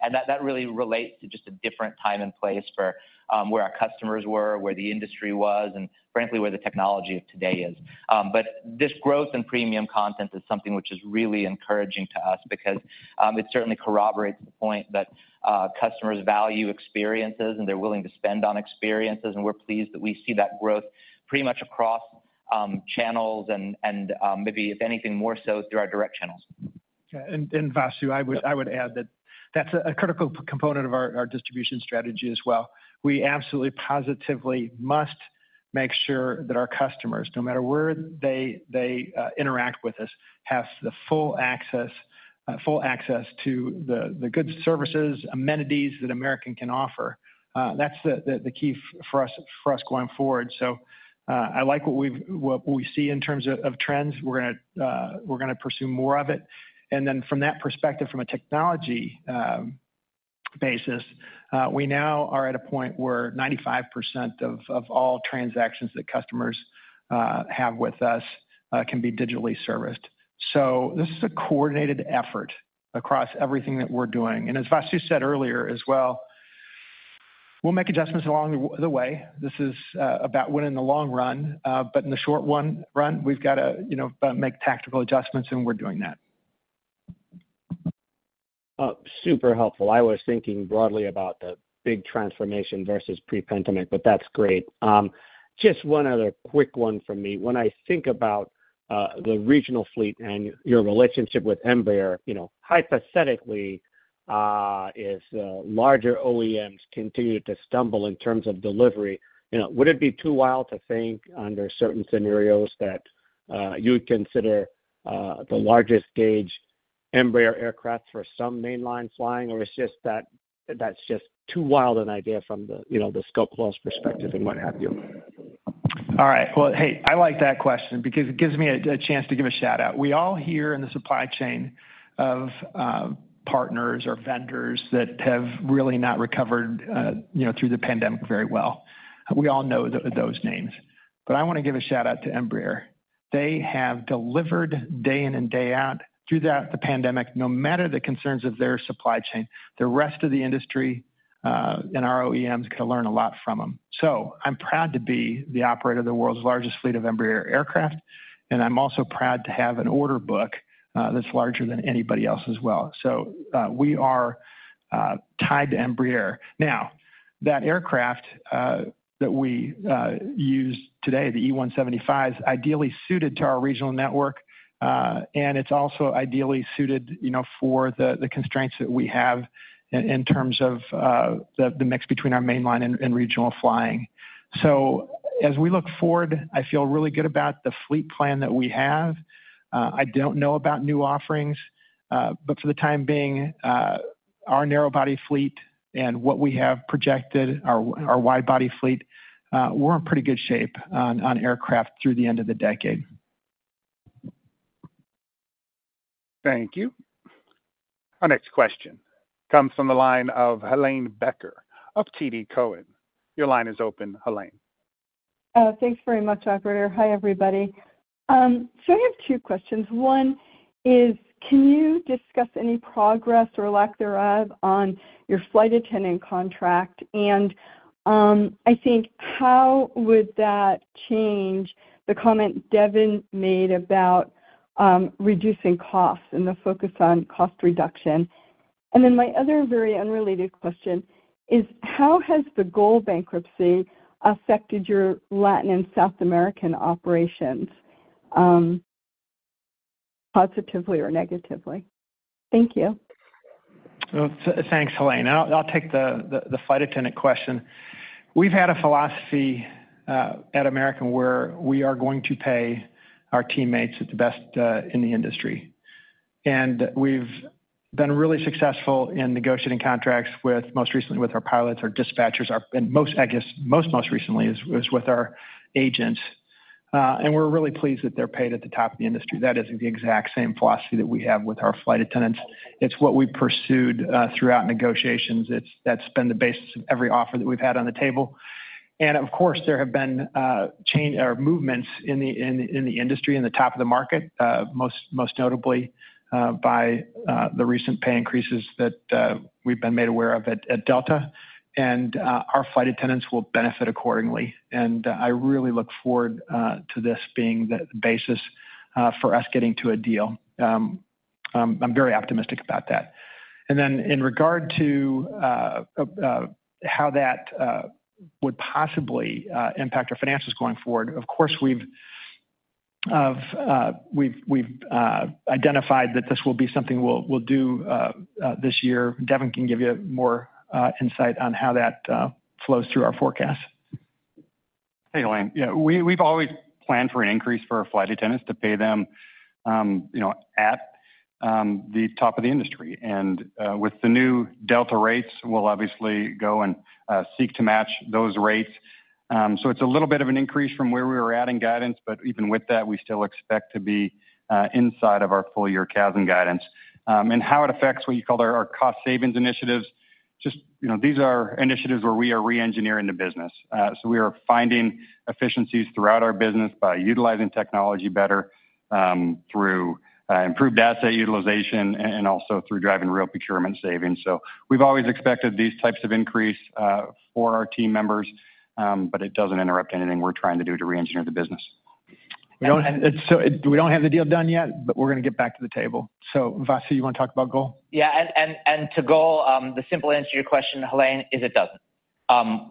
and that, that really relates to just a different time and place for, where our customers were, where the industry was, and frankly, where the technology of today is. But this growth in premium content is something which is really encouraging to us because, it certainly corroborates the point that, customers value experiences, and they're willing to spend on experiences, and we're pleased that we see that growth pretty much across, channels and, maybe if anything more so through our direct channels. Yeah, and Vasu, I would- Yeah. I would add that that's a critical component of our distribution strategy as well. We absolutely, positively must make sure that our customers, no matter where they interact with us, have full access to the full access to the good services, amenities that American can offer. That's the key for us going forward. So, I like what we see in terms of trends. We're gonna pursue more of it. And then from that perspective, from a technology basis, we now are at a point where 95% of all transactions that customers have with us can be digitally serviced. So this is a coordinated effort across everything that we're doing. And as Vasu said earlier as well. We'll make adjustments along the way. This is about winning the long run. But in the short run, we've got to, you know, make tactical adjustments, and we're doing that. Super helpful. I was thinking broadly about the big transformation versus pre-pandemic, but that's great. Just one other quick one from me. When I think about, the regional fleet and your relationship with Embraer, you know, hypothetically, if, larger OEMs continue to stumble in terms of delivery, you know, would it be too wild to think under certain scenarios that, you would consider, the largest gauge Embraer aircraft for some mainline flying? Or it's just that- that's just too wild an idea from the, you know, the scope clause perspective and what have you? All right. Well, hey, I like that question because it gives me a chance to give a shout-out. We all hear in the supply chain of partners or vendors that have really not recovered, you know, through the pandemic very well. We all know those names. But I want to give a shout-out to Embraer. They have delivered day in and day out through the pandemic, no matter the concerns of their supply chain. The rest of the industry and our OEMs can learn a lot from them. So I'm proud to be the operator of the world's largest fleet of Embraer aircraft, and I'm also proud to have an order book that's larger than anybody else as well. So we are tied to Embraer. Now, that aircraft, that we use today, the E175, is ideally suited to our regional network, and it's also ideally suited, you know, for the constraints that we have in terms of the mix between our mainline and regional flying. So as we look forward, I feel really good about the fleet plan that we have. I don't know about new offerings, but for the time being, our narrow-body fleet and what we have projected, our wide-body fleet, we're in pretty good shape on aircraft through the end of the decade. Thank you. Our next question comes from the line of Helane Becker of TD Cowen. Your line is open, Helane. Thanks very much, operator. Hi, everybody. So I have two questions. One is, can you discuss any progress or lack thereof on your flight attendant contract? And I think how would that change the comment Devon made about reducing costs and the focus on cost reduction? And then my other very unrelated question is, how has the GOL bankruptcy affected your Latin and South American operations, positively or negatively? Thank you. Well, thanks, Helane. I'll take the flight attendant question. We've had a philosophy at American where we are going to pay our teammates the best in the industry. And we've been really successful in negotiating contracts with, most recently, with our pilots, our dispatchers, and most recently with our agents. And we're really pleased that they're paid at the top of the industry. That is the exact same philosophy that we have with our flight attendants. It's what we pursued throughout negotiations. That's been the basis of every offer that we've had on the table. Of course, there have been changes or movements in the industry at the top of the market, most notably by the recent pay increases that we've been made aware of at Delta, and our flight attendants will benefit accordingly. I really look forward to this being the basis for us getting to a deal. I'm very optimistic about that. Then in regard to how that would possibly impact our finances going forward, of course, we've identified that this will be something we'll do this year. Devon can give you more insight on how that flows through our forecast. Hey, Helane. Yeah, we, we've always planned for an increase for our flight attendants to pay them, you know, at, the top of the industry. And, with the new Delta rates, we'll obviously go and, seek to match those rates. So it's a little bit of an increase from where we were at in guidance, but even with that, we still expect to be, inside of our full-year CASM guidance. And how it affects what you call our, our cost savings initiatives, just, you know, these are initiatives where we are reengineering the business. So we are finding efficiencies throughout our business by utilizing technology better, through, improved asset utilization and also through driving real procurement savings. So we've always expected these types of increase for our team members, but it doesn't interrupt anything we're trying to do to reengineer the business. So we don't have the deal done yet, but we're gonna get back to the table. So, Vasu, you want to talk about GOL? Yeah, to GOL, the simple answer to your question, Helane, is it doesn't.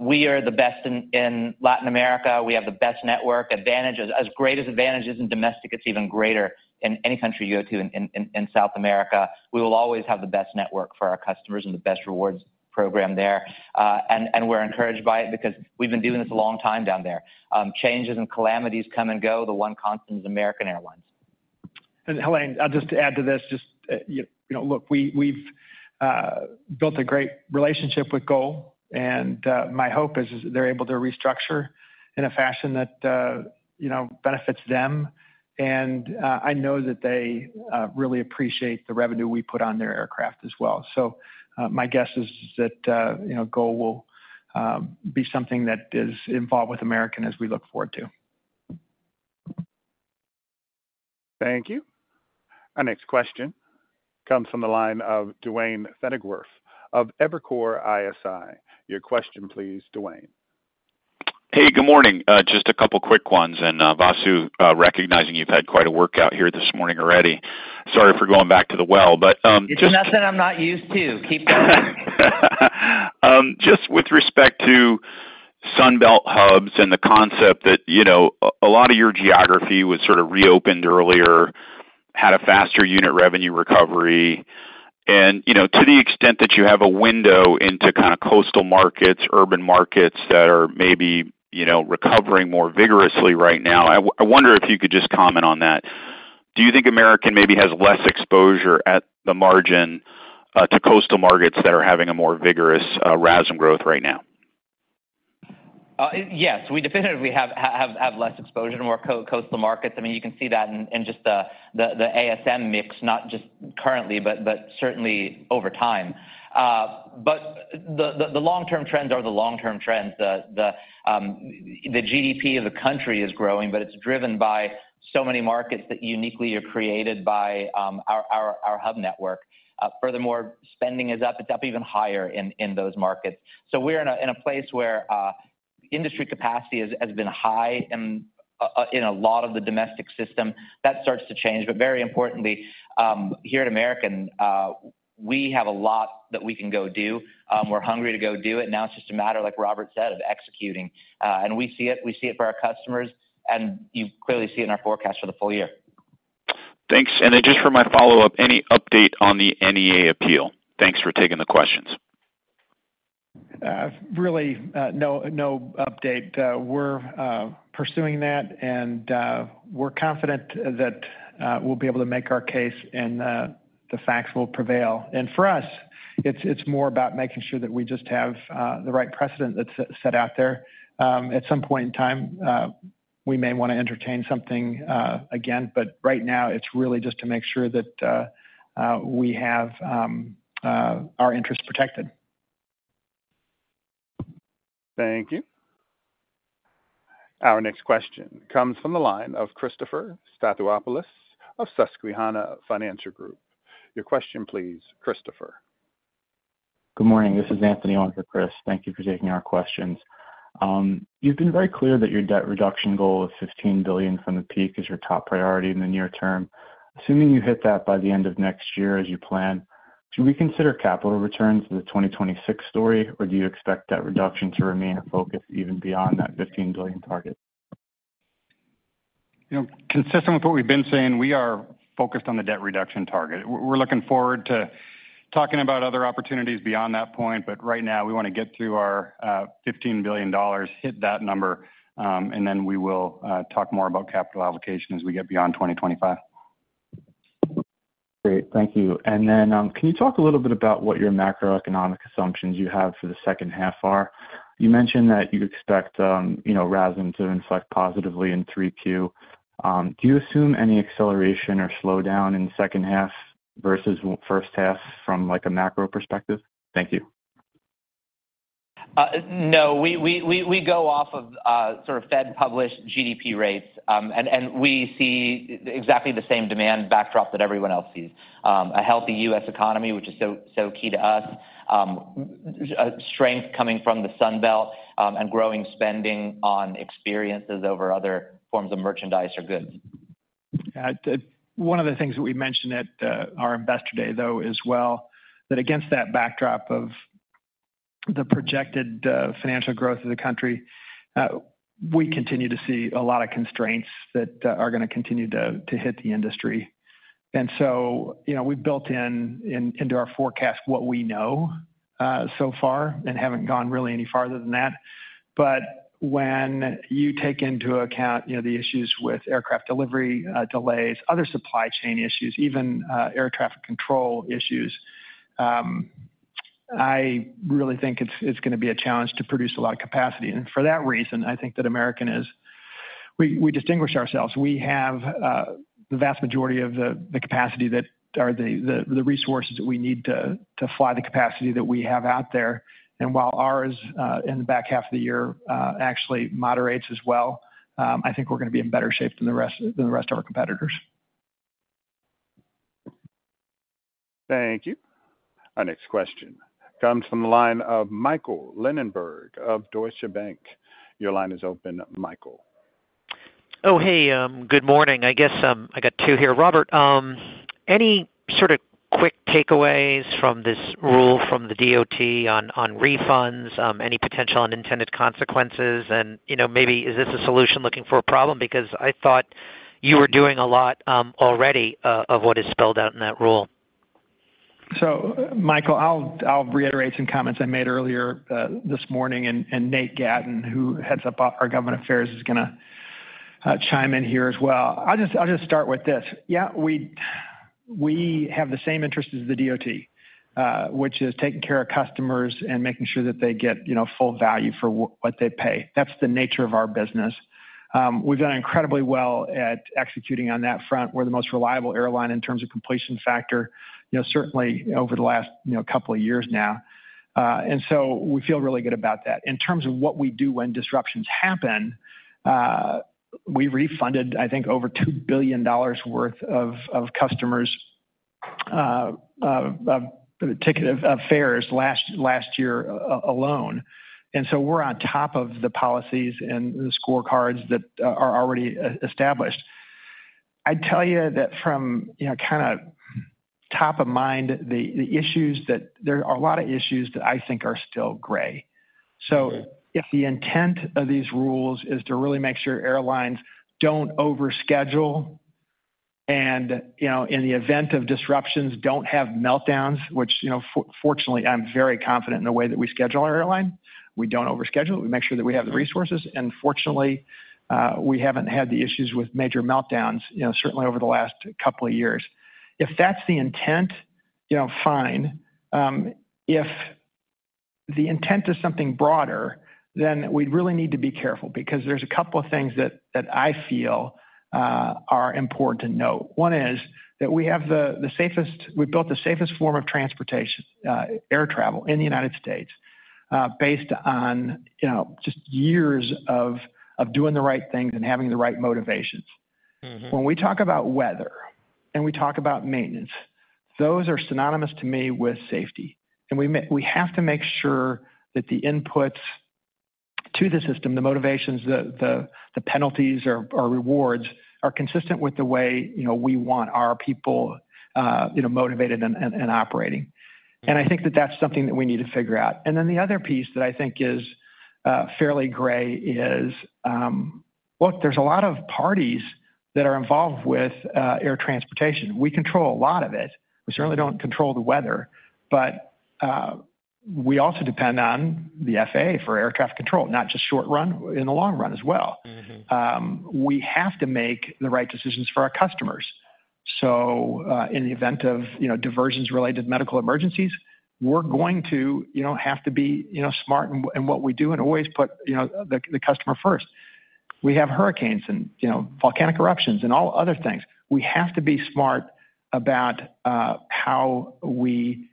We are the best in Latin America. We have the best network advantage. As great as advantage as in domestic, it's even greater in any country you go to in South America. We will always have the best network for our customers and the best rewards program there. We're encouraged by it because we've been doing this a long time down there. Changes and calamities come and go, the one constant is American Airlines. And Helane, I'll just add to this, just, you know, look, we've built a great relationship with GOL, and my hope is they're able to restructure in a fashion that, you know, benefits them. And I know that they really appreciate the revenue we put on their aircraft as well. So, my guess is that, you know, GOL will be something that is involved with American as we look forward to. Thank you. Our next question comes from the line of Duane Pfennigwerth of Evercore ISI. Your question, please, Duane. Hey, good morning. Just a couple quick ones, and, Vasu, recognizing you've had quite a workout here this morning already, sorry for going back to the well, but, just- It's nothing I'm not used to. Keep going. Just with respect to Sun Belt hubs and the concept that, you know, a lot of your geography was sort of reopened earlier, had a faster unit revenue recovery, and, you know, to the extent that you have a window into kinda coastal markets, urban markets that are maybe, you know, recovering more vigorously right now, I wonder if you could just comment on that. Do you think American maybe has less exposure at the margin to coastal markets that are having a more vigorous RASM growth right now? Yes, we definitively have have less exposure to more coastal markets. I mean, you can see that in just the ASM mix, not just currently, but certainly over time. But the long-term trends are the long-term trends. The GDP of the country is growing, but it's driven by so many markets that uniquely are created by our hub network. Furthermore, spending is up. It's up even higher in those markets. So we're in a place where industry capacity has been high in a lot of the domestic system. That starts to change, but very importantly, here at American, we have a lot that we can go do. We're hungry to go do it. Now it's just a matter, like Robert said, of executing. We see it. We see it for our customers, and you clearly see it in our forecast for the full year. Thanks. And then just for my follow-up, any update on the NEA appeal? Thanks for taking the questions. Really, no update. We're pursuing that, and we're confident that we'll be able to make our case, and the facts will prevail. And for us, it's more about making sure that we just have the right precedent that's set out there. At some point in time, we may wanna entertain something again, but right now it's really just to make sure that we have our interests protected. Thank you. Our next question comes from the line of Christopher Stathoulopoulos of Susquehanna Financial Group. Your question, please, Christopher. Good morning. This is Anthony on for Chris. Thank you for taking our questions. You've been very clear that your debt reduction goal of $15 billion from the peak is your top priority in the near term. Assuming you hit that by the end of next year, as you plan, should we consider capital returns to the 2026 story, or do you expect that reduction to remain a focus even beyond that $15 billion target? You know, consistent with what we've been saying, we are focused on the debt reduction target. We're looking forward to talking about other opportunities beyond that point, but right now we wanna get to our $15 billion, hit that number, and then we will talk more about capital allocation as we get beyond 2025. Great. Thank you. And then, can you talk a little bit about what your macroeconomic assumptions you have for the second half are? You mentioned that you expect, you know, RASM to inflect positively in three Q. Do you assume any acceleration or slowdown in the second half versus first half from, like, a macro perspective? Thank you. No, we go off of sort of Fed-published GDP rates, and we see exactly the same demand backdrop that everyone else sees. A healthy US economy, which is so key to us, strength coming from the Sun Belt, and growing spending on experiences over other forms of merchandise or goods. One of the things that we mentioned at our Investor Day, though, as well, that against that backdrop of the projected financial growth of the country, we continue to see a lot of constraints that are gonna continue to hit the industry. And so, you know, we've built into our forecast what we know so far and haven't gone really any farther than that. But when you take into account, you know, the issues with aircraft delivery delays, other supply chain issues, even air traffic control issues, I really think it's gonna be a challenge to produce a lot of capacity, and for that reason, I think that American is we distinguish ourselves. We have the vast majority of the resources that we need to fly the capacity that we have out there. And while ours in the back half of the year actually moderates as well, I think we're gonna be in better shape than the rest of our competitors. Thank you. Our next question comes from the line of Michael Linenberg of Deutsche Bank. Your line is open, Michael. Oh, hey, good morning. I guess, I got two here. Robert, any sort of quick takeaways from this rule from the DOT on refunds, any potential unintended consequences? You know, maybe is this a solution looking for a problem? Because I thought you were doing a lot already of what is spelled out in that rule. So, Michael, I'll reiterate some comments I made earlier this morning, and Nate Gatten, who heads up our Government Affairs, is gonna chime in here as well. I'll just start with this. Yeah, we have the same interest as the DOT, which is taking care of customers and making sure that they get, you know, full value for what they pay. That's the nature of our business. We've done incredibly well at executing on that front. We're the most reliable airline in terms of completion factor, you know, certainly over the last couple of years now. And so we feel really good about that. In terms of what we do when disruptions happen, we refunded, I think, over $2 billion worth of customers' of ticket fares last year alone. And so we're on top of the policies and the scorecards that are already established. I'd tell you that from, you know, kind of top of mind, the issues that there are a lot of issues that I think are still gray. So if the intent of these rules is to really make sure airlines don't overschedule and, you know, in the event of disruptions, don't have meltdowns, which, you know, fortunately, I'm very confident in the way that we schedule our airline. We don't overschedule. We make sure that we have the resources, and fortunately, we haven't had the issues with major meltdowns, you know, certainly over the last couple of years. If that's the intent, you know, fine. If the intent is something broader, then we'd really need to be careful because there's a couple of things that I feel are important to note. One is that we have the safest form of transportation, air travel in the United States, based on, you know, just years of doing the right things and having the right motivations. Mm-hmm. When we talk about weather and we talk about maintenance, those are synonymous to me with safety. And we have to make sure that the inputs to the system, the motivations, the penalties or rewards are consistent with the way, you know, we want our people, you know, motivated and operating. And I think that that's something that we need to figure out. And then the other piece that I think is fairly gray is, look, there's a lot of parties that are involved with air transportation. We control a lot of it. We certainly don't control the weather, but we also depend on the FA for aircraft control, not just short run, in the long run as well. Mm-hmm. We have to make the right decisions for our customers. So, in the event of, you know, diversions related to medical emergencies, we're going to, you know, have to be, you know, smart in what we do and always put, you know, the customer first. We have hurricanes and, you know, volcanic eruptions and all other things. We have to be smart about how we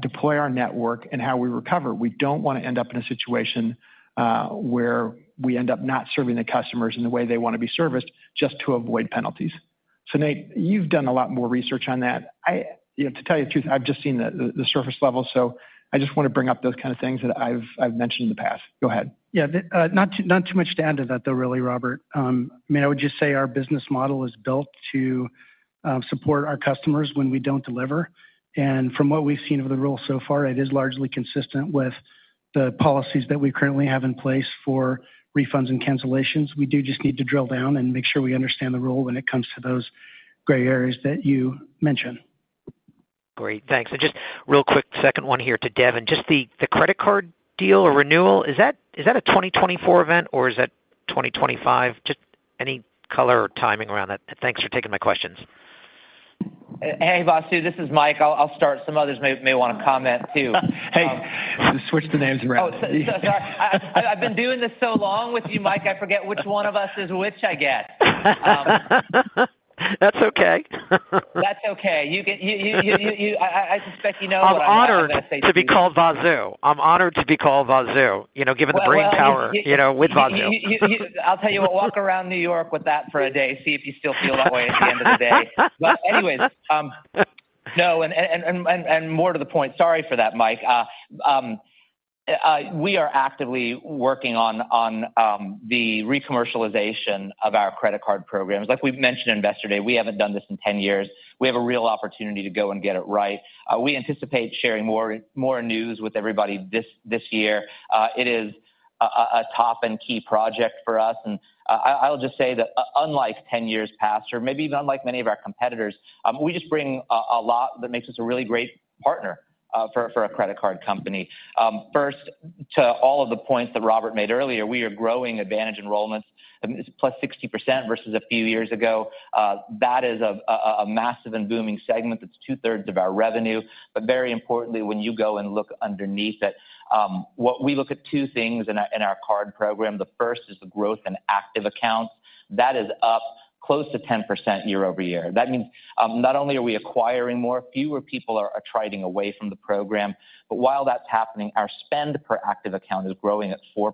deploy our network and how we recover. We don't wanna end up in a situation where we end up not serving the customers in the way they wanna be serviced just to avoid penalties. So Nate, you've done a lot more research on that. You know, to tell you the truth, I've just seen the surface level, so I just wanna bring up those kind of things that I've mentioned in the past. Go ahead. Yeah. The not too, not too much to add to that, though, really, Robert. I mean, I would just say our business model is built to support our customers when we don't deliver. And from what we've seen of the rule so far, it is largely consistent with the policies that we currently have in place for refunds and cancellations. We do just need to drill down and make sure we understand the rule when it comes to those gray areas that you mentioned. Great. Thanks. And just real quick, second one here to Devon. Just the credit card deal or renewal, is that a 2024 event, or is that 2025? Just any color or timing around that. Thanks for taking my questions. Hey, Vasu, this is Mike. I'll start. Some others may wanna comment, too. Hey, switch the names around. Oh, so sorry. I've been doing this so long with you, Mike, I forget which one of us is which, I guess. That's okay. That's okay. You get, I suspect you know what I'm about to say to you. I'm honored to be called Vasu. I'm honored to be called Vasu, you know, given the brain power- Well, well- you know, with Vasu. I'll tell you what, walk around New York with that for a day, see if you still feel that way at the end of the day. But anyways, no, more to the point. Sorry for that, Mike. We are actively working on the re-commercialization of our credit card programs. Like we've mentioned Investor Day, we haven't done this in 10 years. We have a real opportunity to go and get it right. We anticipate sharing more news with everybody this year. It is a top and key project for us, and I'll just say that unlike 10 years past, or maybe even unlike many of our competitors, we just bring a lot that makes us a really great partner for a credit card company. First, to all of the points that Robert made earlier, we are growing AAdvantage enrollments. I mean, it's plus 60% versus a few years ago. That is a massive and booming segment that's two-thirds of our revenue. But very importantly, when you go and look underneath it, what we look at two things in our card program. The first is the growth in active accounts. That is up close to 10% year-over-year. That means, not only are we acquiring more, fewer people are attriting away from the program, but while that's happening, our spend per active account is growing at 4%.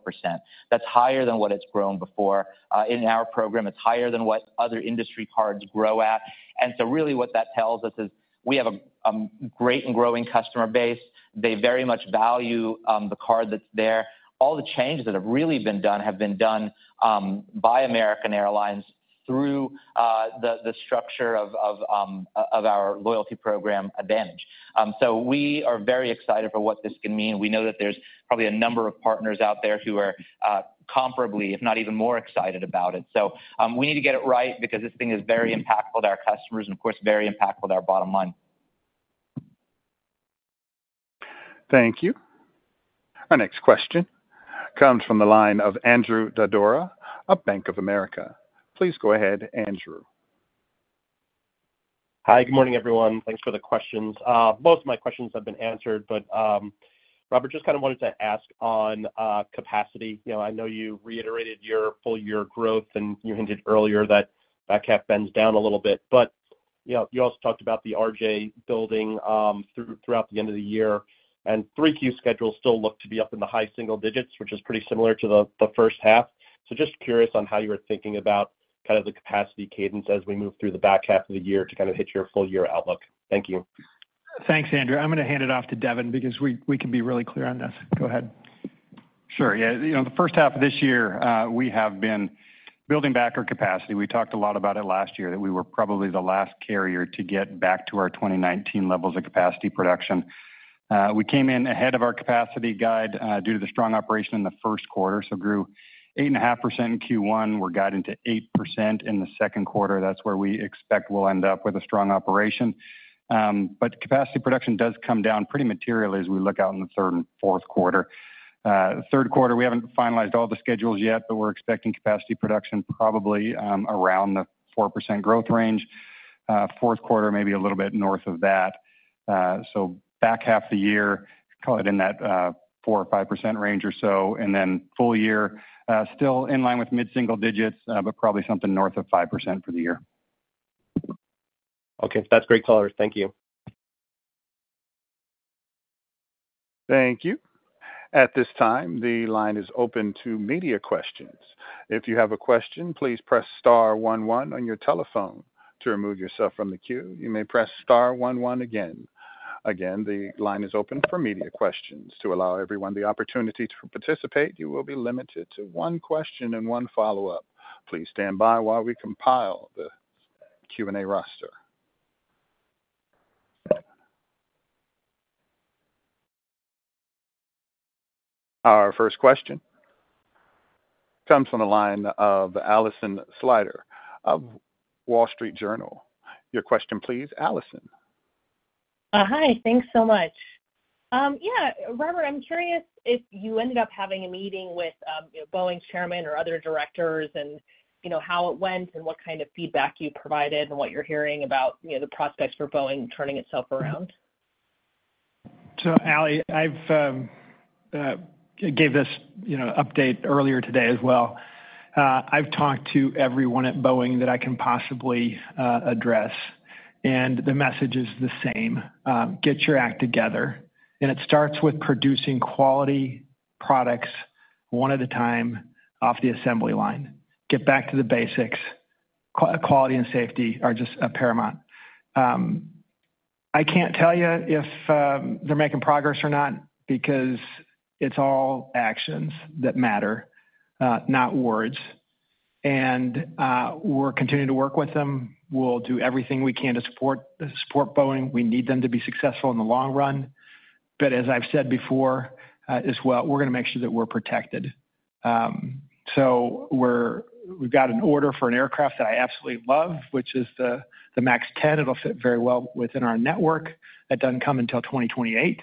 That's higher than what it's grown before, in our program. It's higher than what other industry cards grow at. And so really what that tells us is we have a great and growing customer base. They very much value the card that's there. All the changes that have really been done have been done by American Airlines through the structure of our loyalty program, Advantage. So we are very excited for what this can mean. We know that there's probably a number of partners out there who are comparably, if not even more excited about it. So, we need to get it right because this thing is very impactful to our customers and, of course, very impactful to our bottom line. Thank you. Our next question comes from the line of Andrew Didora of Bank of America. Please go ahead, Andrew. Hi, good morning, everyone. Thanks for the questions. Most of my questions have been answered, but, Robert, just kind of wanted to ask on capacity. You know, I know you reiterated your full year growth, and you hinted earlier that that back half bends down a little bit. But, you know, you also talked about the RJ building throughout the end of the year, and 3Q schedules still look to be up in the high single digits, which is pretty similar to the first half. So just curious on how you were thinking about kind of the capacity cadence as we move through the back half of the year to kind of hit your full year outlook? Thank you. Thanks, Andrew. I'm gonna hand it off to Devon because we can be really clear on this. Go ahead. Sure. Yeah. You know, the first half of this year, we have been building back our capacity. We talked a lot about it last year, that we were probably the last carrier to get back to our 2019 levels of capacity production. We came in ahead of our capacity guide, due to the strong operation in the first quarter, so grew 8.5% in Q1. We're guiding to 8% in the second quarter. That's where we expect we'll end up with a strong operation. But capacity production does come down pretty materially as we look out in the third and fourth quarter. Third quarter, we haven't finalized all the schedules yet, but we're expecting capacity production probably around the 4% growth range. Fourth quarter, maybe a little bit north of that. So, back half the year, call it in that 4%-5% range or so, and then full year, still in line with mid-single digits, but probably something north of 5% for the year. Okay. That's great color. Thank you. Thank you. At this time, the line is open to media questions. If you have a question, please press star one one on your telephone. To remove yourself from the queue, you may press star one one again. Again, the line is open for media questions. To allow everyone the opportunity to participate, you will be limited to one question and one follow-up. Please stand by while we compile the Q&A roster. Our first question comes from the line of Alison Sider of Wall Street Journal. Your question, please, Alison. Hi, thanks so much. Yeah, Robert, I'm curious if you ended up having a meeting with, you know, Boeing's chairman or other directors and, you know, how it went and what kind of feedback you provided and what you're hearing about, you know, the prospects for Boeing turning itself around? So, Ally, I've gave this, you know, update earlier today as well. I've talked to everyone at Boeing that I can possibly address, and the message is the same: Get your act together. And it starts with producing quality products, one at a time, off the assembly line. Get back to the basics. Quality and safety are just paramount. I can't tell you if they're making progress or not, because it's all actions that matter, not words. And we're continuing to work with them. We'll do everything we can to support, support Boeing. We need them to be successful in the long run. But as I've said before, as well, we're gonna make sure that we're protected. So we're—we've got an order for an aircraft that I absolutely love, which is the, the MAX 10. It'll fit very well within our network. That doesn't come until 2028.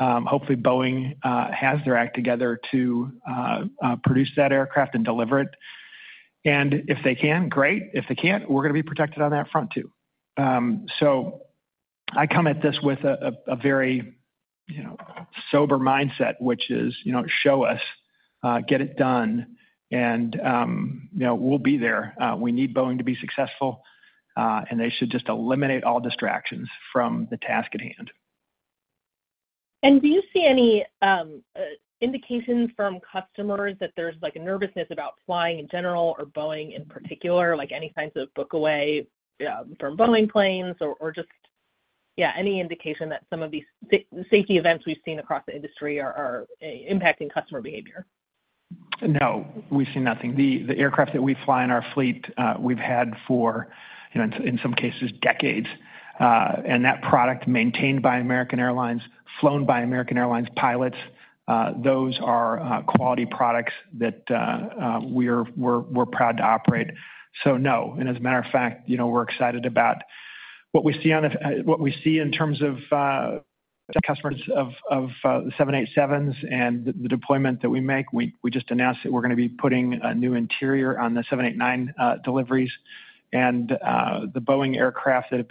Hopefully, Boeing has their act together to produce that aircraft and deliver it. And if they can, great. If they can't, we're gonna be protected on that front, too. So I come at this with a very, you know, sober mindset, which is, you know, show us, get it done, and, you know, we'll be there. We need Boeing to be successful, and they should just eliminate all distractions from the task at hand. Do you see any indications from customers that there's, like, a nervousness about flying in general or Boeing in particular? Like, any signs of booking away from Boeing planes or just, yeah, any indication that some of these safety events we've seen across the industry are impacting customer behavior? No, we've seen nothing. The aircraft that we fly in our fleet, we've had for, you know, in some cases, decades. And that product maintained by American Airlines, flown by American Airlines pilots, those are quality products that we're proud to operate. So no, and as a matter of fact, you know, we're excited about what we see in terms of customers of the 787s and the deployment that we make. We just announced that we're gonna be putting a new interior on the 787-9 deliveries. The Boeing aircraft that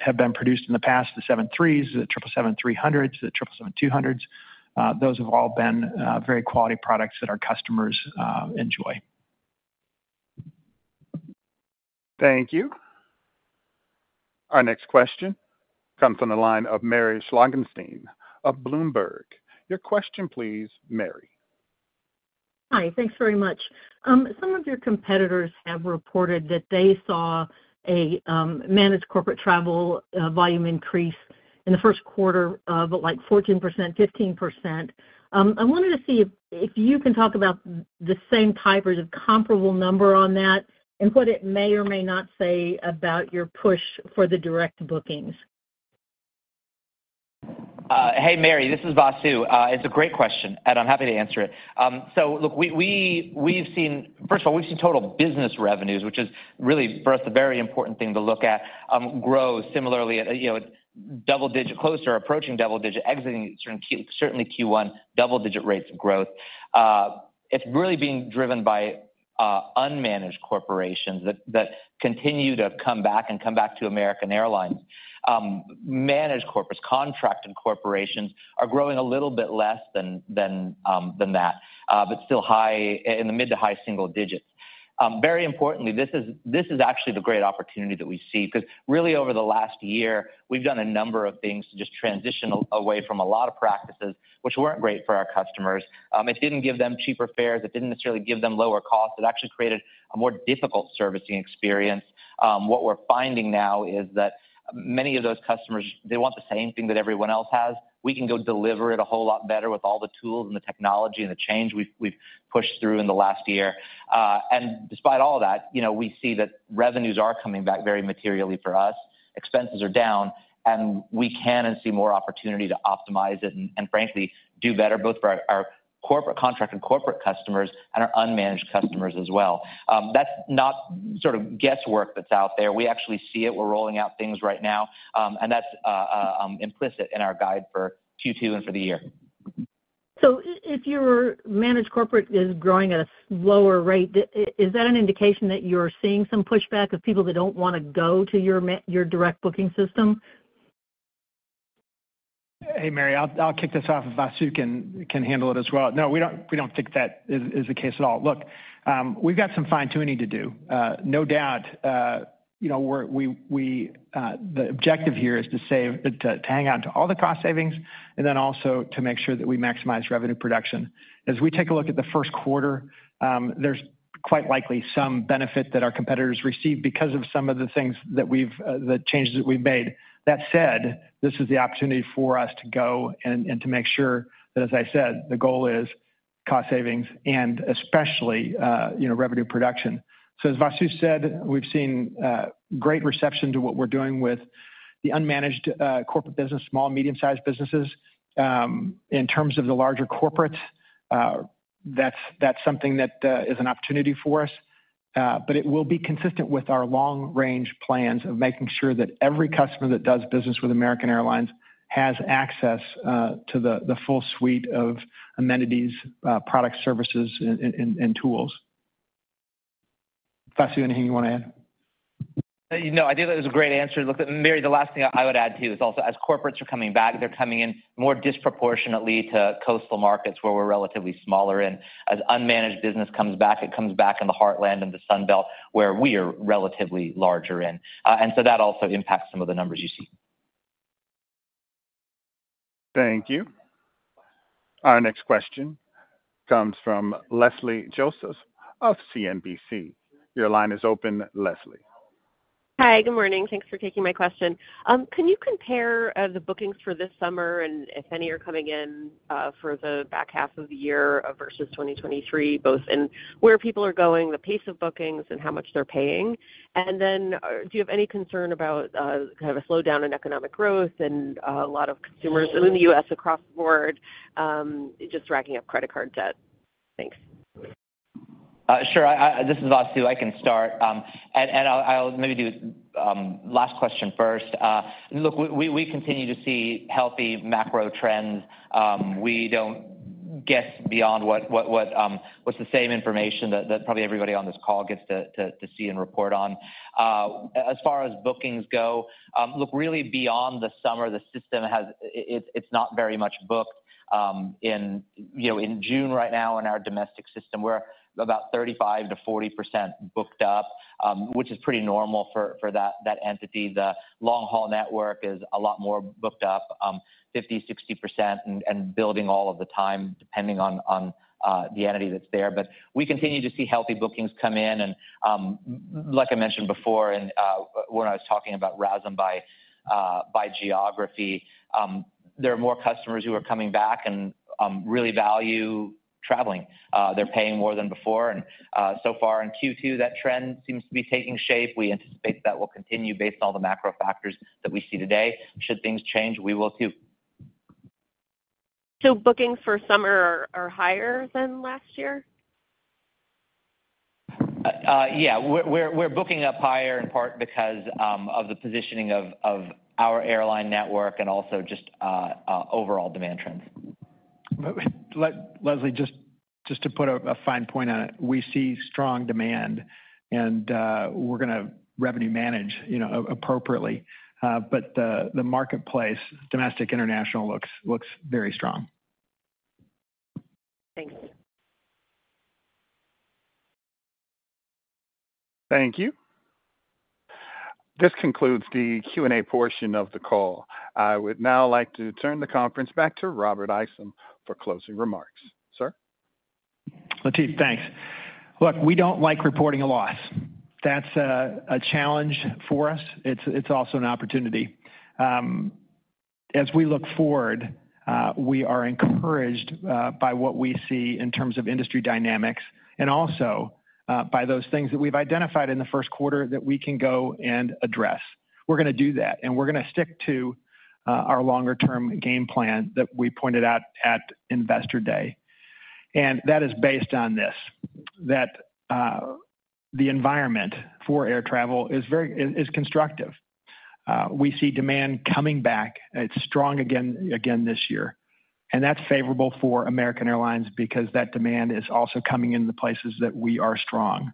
have been produced in the past, the 737s, the 777-300s, the 777-200s, those have all been very quality products that our customers enjoy. Thank you. Our next question comes on the line of Mary Schlangenstein of Bloomberg. Your question, please, Mary. Hi, thanks very much. Some of your competitors have reported that they saw a managed corporate travel volume increase in the first quarter of, like, 14%-15%. I wanted to see if you can talk about the same type or the comparable number on that, and what it may or may not say about your push for the direct bookings. Hey, Mary, this is Vasu. It's a great question, and I'm happy to answer it. So look, we've seen. First of all, we've seen total business revenues, which is really, for us, a very important thing to look at, grow similarly at, you know, double-digit, closer, approaching double-digit, exiting certain Q, certainly Q1, double-digit rates of growth. It's really being driven by unmanaged corporations that continue to come back and come back to American Airlines. Managed corporates, contracted corporations are growing a little bit less than that, but still high, in the mid- to high-single digits. Very importantly, this is actually the great opportunity that we see, because really, over the last year, we've done a number of things to just transition away from a lot of practices which weren't great for our customers. It didn't give them cheaper fares. It didn't necessarily give them lower costs. It actually created a more difficult servicing experience. What we're finding now is that many of those customers, they want the same thing that everyone else has. We can go deliver it a whole lot better with all the tools and the technology and the change we've pushed through in the last year. And despite all that, you know, we see that revenues are coming back very materially for us. Expenses are down, and we can see more opportunity to optimize it and frankly do better, both for our corporate contract and corporate customers and our unmanaged customers as well. That's not sort of guesswork that's out there. We actually see it. We're rolling out things right now, and that's implicit in our guide for Q2 and for the year. So if your managed corporate is growing at a lower rate, is that an indication that you're seeing some pushback of people that don't want to go to your direct booking system? Hey, Mary, I'll kick this off if Vasu can handle it as well. No, we don't think that is the case at all. Look, we've got some fine-tuning to do. No doubt, you know, we're the objective here is to save to hang on to all the cost savings and then also to make sure that we maximize revenue production. As we take a look at the first quarter, there's quite likely some benefit that our competitors receive because of some of the things that we've the changes that we've made. That said, this is the opportunity for us to go and to make sure that, as I said, the goal is cost savings and especially, you know, revenue production. So as Vasu said, we've seen great reception to what we're doing with the unmanaged corporate business, small and medium-sized businesses. In terms of the larger corporates, that's something that is an opportunity for us, but it will be consistent with our long-range plans of making sure that every customer that does business with American Airlines has access to the full suite of amenities, products, services, and tools. Vasu, anything you want to add? No, I think that was a great answer. Look, and Mary, the last thing I would add, too, is also as corporates are coming back, they're coming in more disproportionately to coastal markets, where we're relatively smaller in. As unmanaged business comes back, it comes back in the Heartland and the Sun Belt, where we are relatively larger in, and so that also impacts some of the numbers you see. Thank you. Our next question comes from Leslie Josephs of CNBC. Your line is open, Leslie. Hi, good morning. Thanks for taking my question. Can you compare the bookings for this summer and if any are coming in for the back half of the year versus 2023, both in where people are going, the pace of bookings and how much they're paying? And then, do you have any concern about kind of a slowdown in economic growth and a lot of consumers in the U.S. across the board just racking up credit card debt? Thanks. Sure. This is Vasu. I can start, and I'll maybe do last question first. Look, we continue to see healthy macro trends. We don't get beyond what's the same information that probably everybody on this call gets to see and report on. As far as bookings go, look, really beyond the summer, the system has, It's not very much booked. In, you know, in June right now, in our domestic system, we're about 35%-40% booked up, which is pretty normal for that entity. The long-haul network is a lot more booked up, 50%-60% and building all of the time, depending on the entity that's there. But we continue to see healthy bookings come in and, like I mentioned before, and when I was talking about RASM by geography, there are more customers who are coming back and really value traveling. They're paying more than before, and so far in Q2, that trend seems to be taking shape. We anticipate that will continue based on all the macro factors that we see today. Should things change, we will too. So bookings for summer are higher than last year? Yeah, we're booking up higher in part because of the positioning of our airline network and also just overall demand trends. But Leslie, just, just to put a fine point on it, we see strong demand, and we're gonna revenue manage, you know, appropriately. But the marketplace, domestic, international, looks very strong. Thanks. Thank you. This concludes the Q&A portion of the call. I would now like to turn the conference back to Robert Isom for closing remarks. Sir? Latif, thanks. Look, we don't like reporting a loss. That's a challenge for us. It's also an opportunity. As we look forward, we are encouraged by what we see in terms of industry dynamics and also by those things that we've identified in the first quarter that we can go and address. We're gonna do that, and we're gonna stick to our longer-term game plan that we pointed out at Investor Day. And that is based on this, that the environment for air travel is very constructive. We see demand coming back. It's strong again this year, and that's favorable for American Airlines because that demand is also coming in the places that we are strong.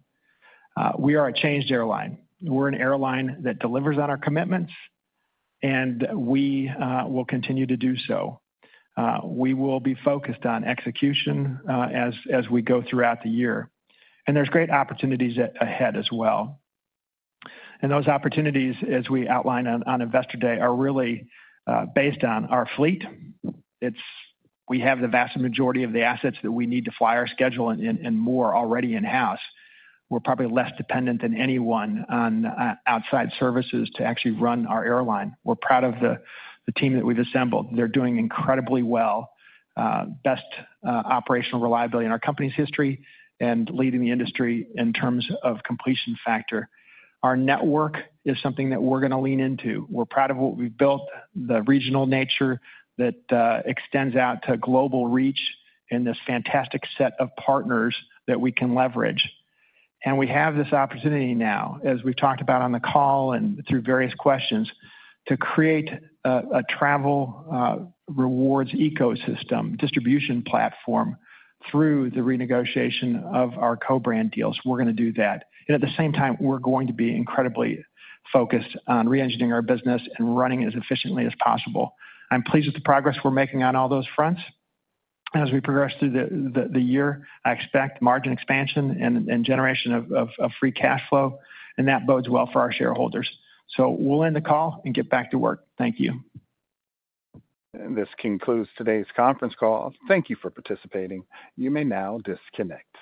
We are a changed airline. We're an airline that delivers on our commitments, and we will continue to do so. We will be focused on execution, as we go throughout the year, and there's great opportunities ahead as well. And those opportunities, as we outline on Investor Day, are really based on our fleet. It's we have the vast majority of the assets that we need to fly our schedule and more already in-house. We're probably less dependent than anyone on outside services to actually run our airline. We're proud of the team that we've assembled. They're doing incredibly well, best operational reliability in our company's history and leading the industry in terms of Completion Factor. Our network is something that we're gonna lean into. We're proud of what we've built, the regional nature that extends out to global reach and this fantastic set of partners that we can leverage. We have this opportunity now, as we've talked about on the call and through various questions, to create a travel rewards ecosystem, distribution platform through the renegotiation of our co-brand deals. We're gonna do that. At the same time, we're going to be incredibly focused on reengineering our business and running it as efficiently as possible. I'm pleased with the progress we're making on all those fronts. As we progress through the year, I expect margin expansion and generation of free cash flow, and that bodes well for our shareholders. We'll end the call and get back to work. Thank you. This concludes today's conference call. Thank you for participating. You may now disconnect.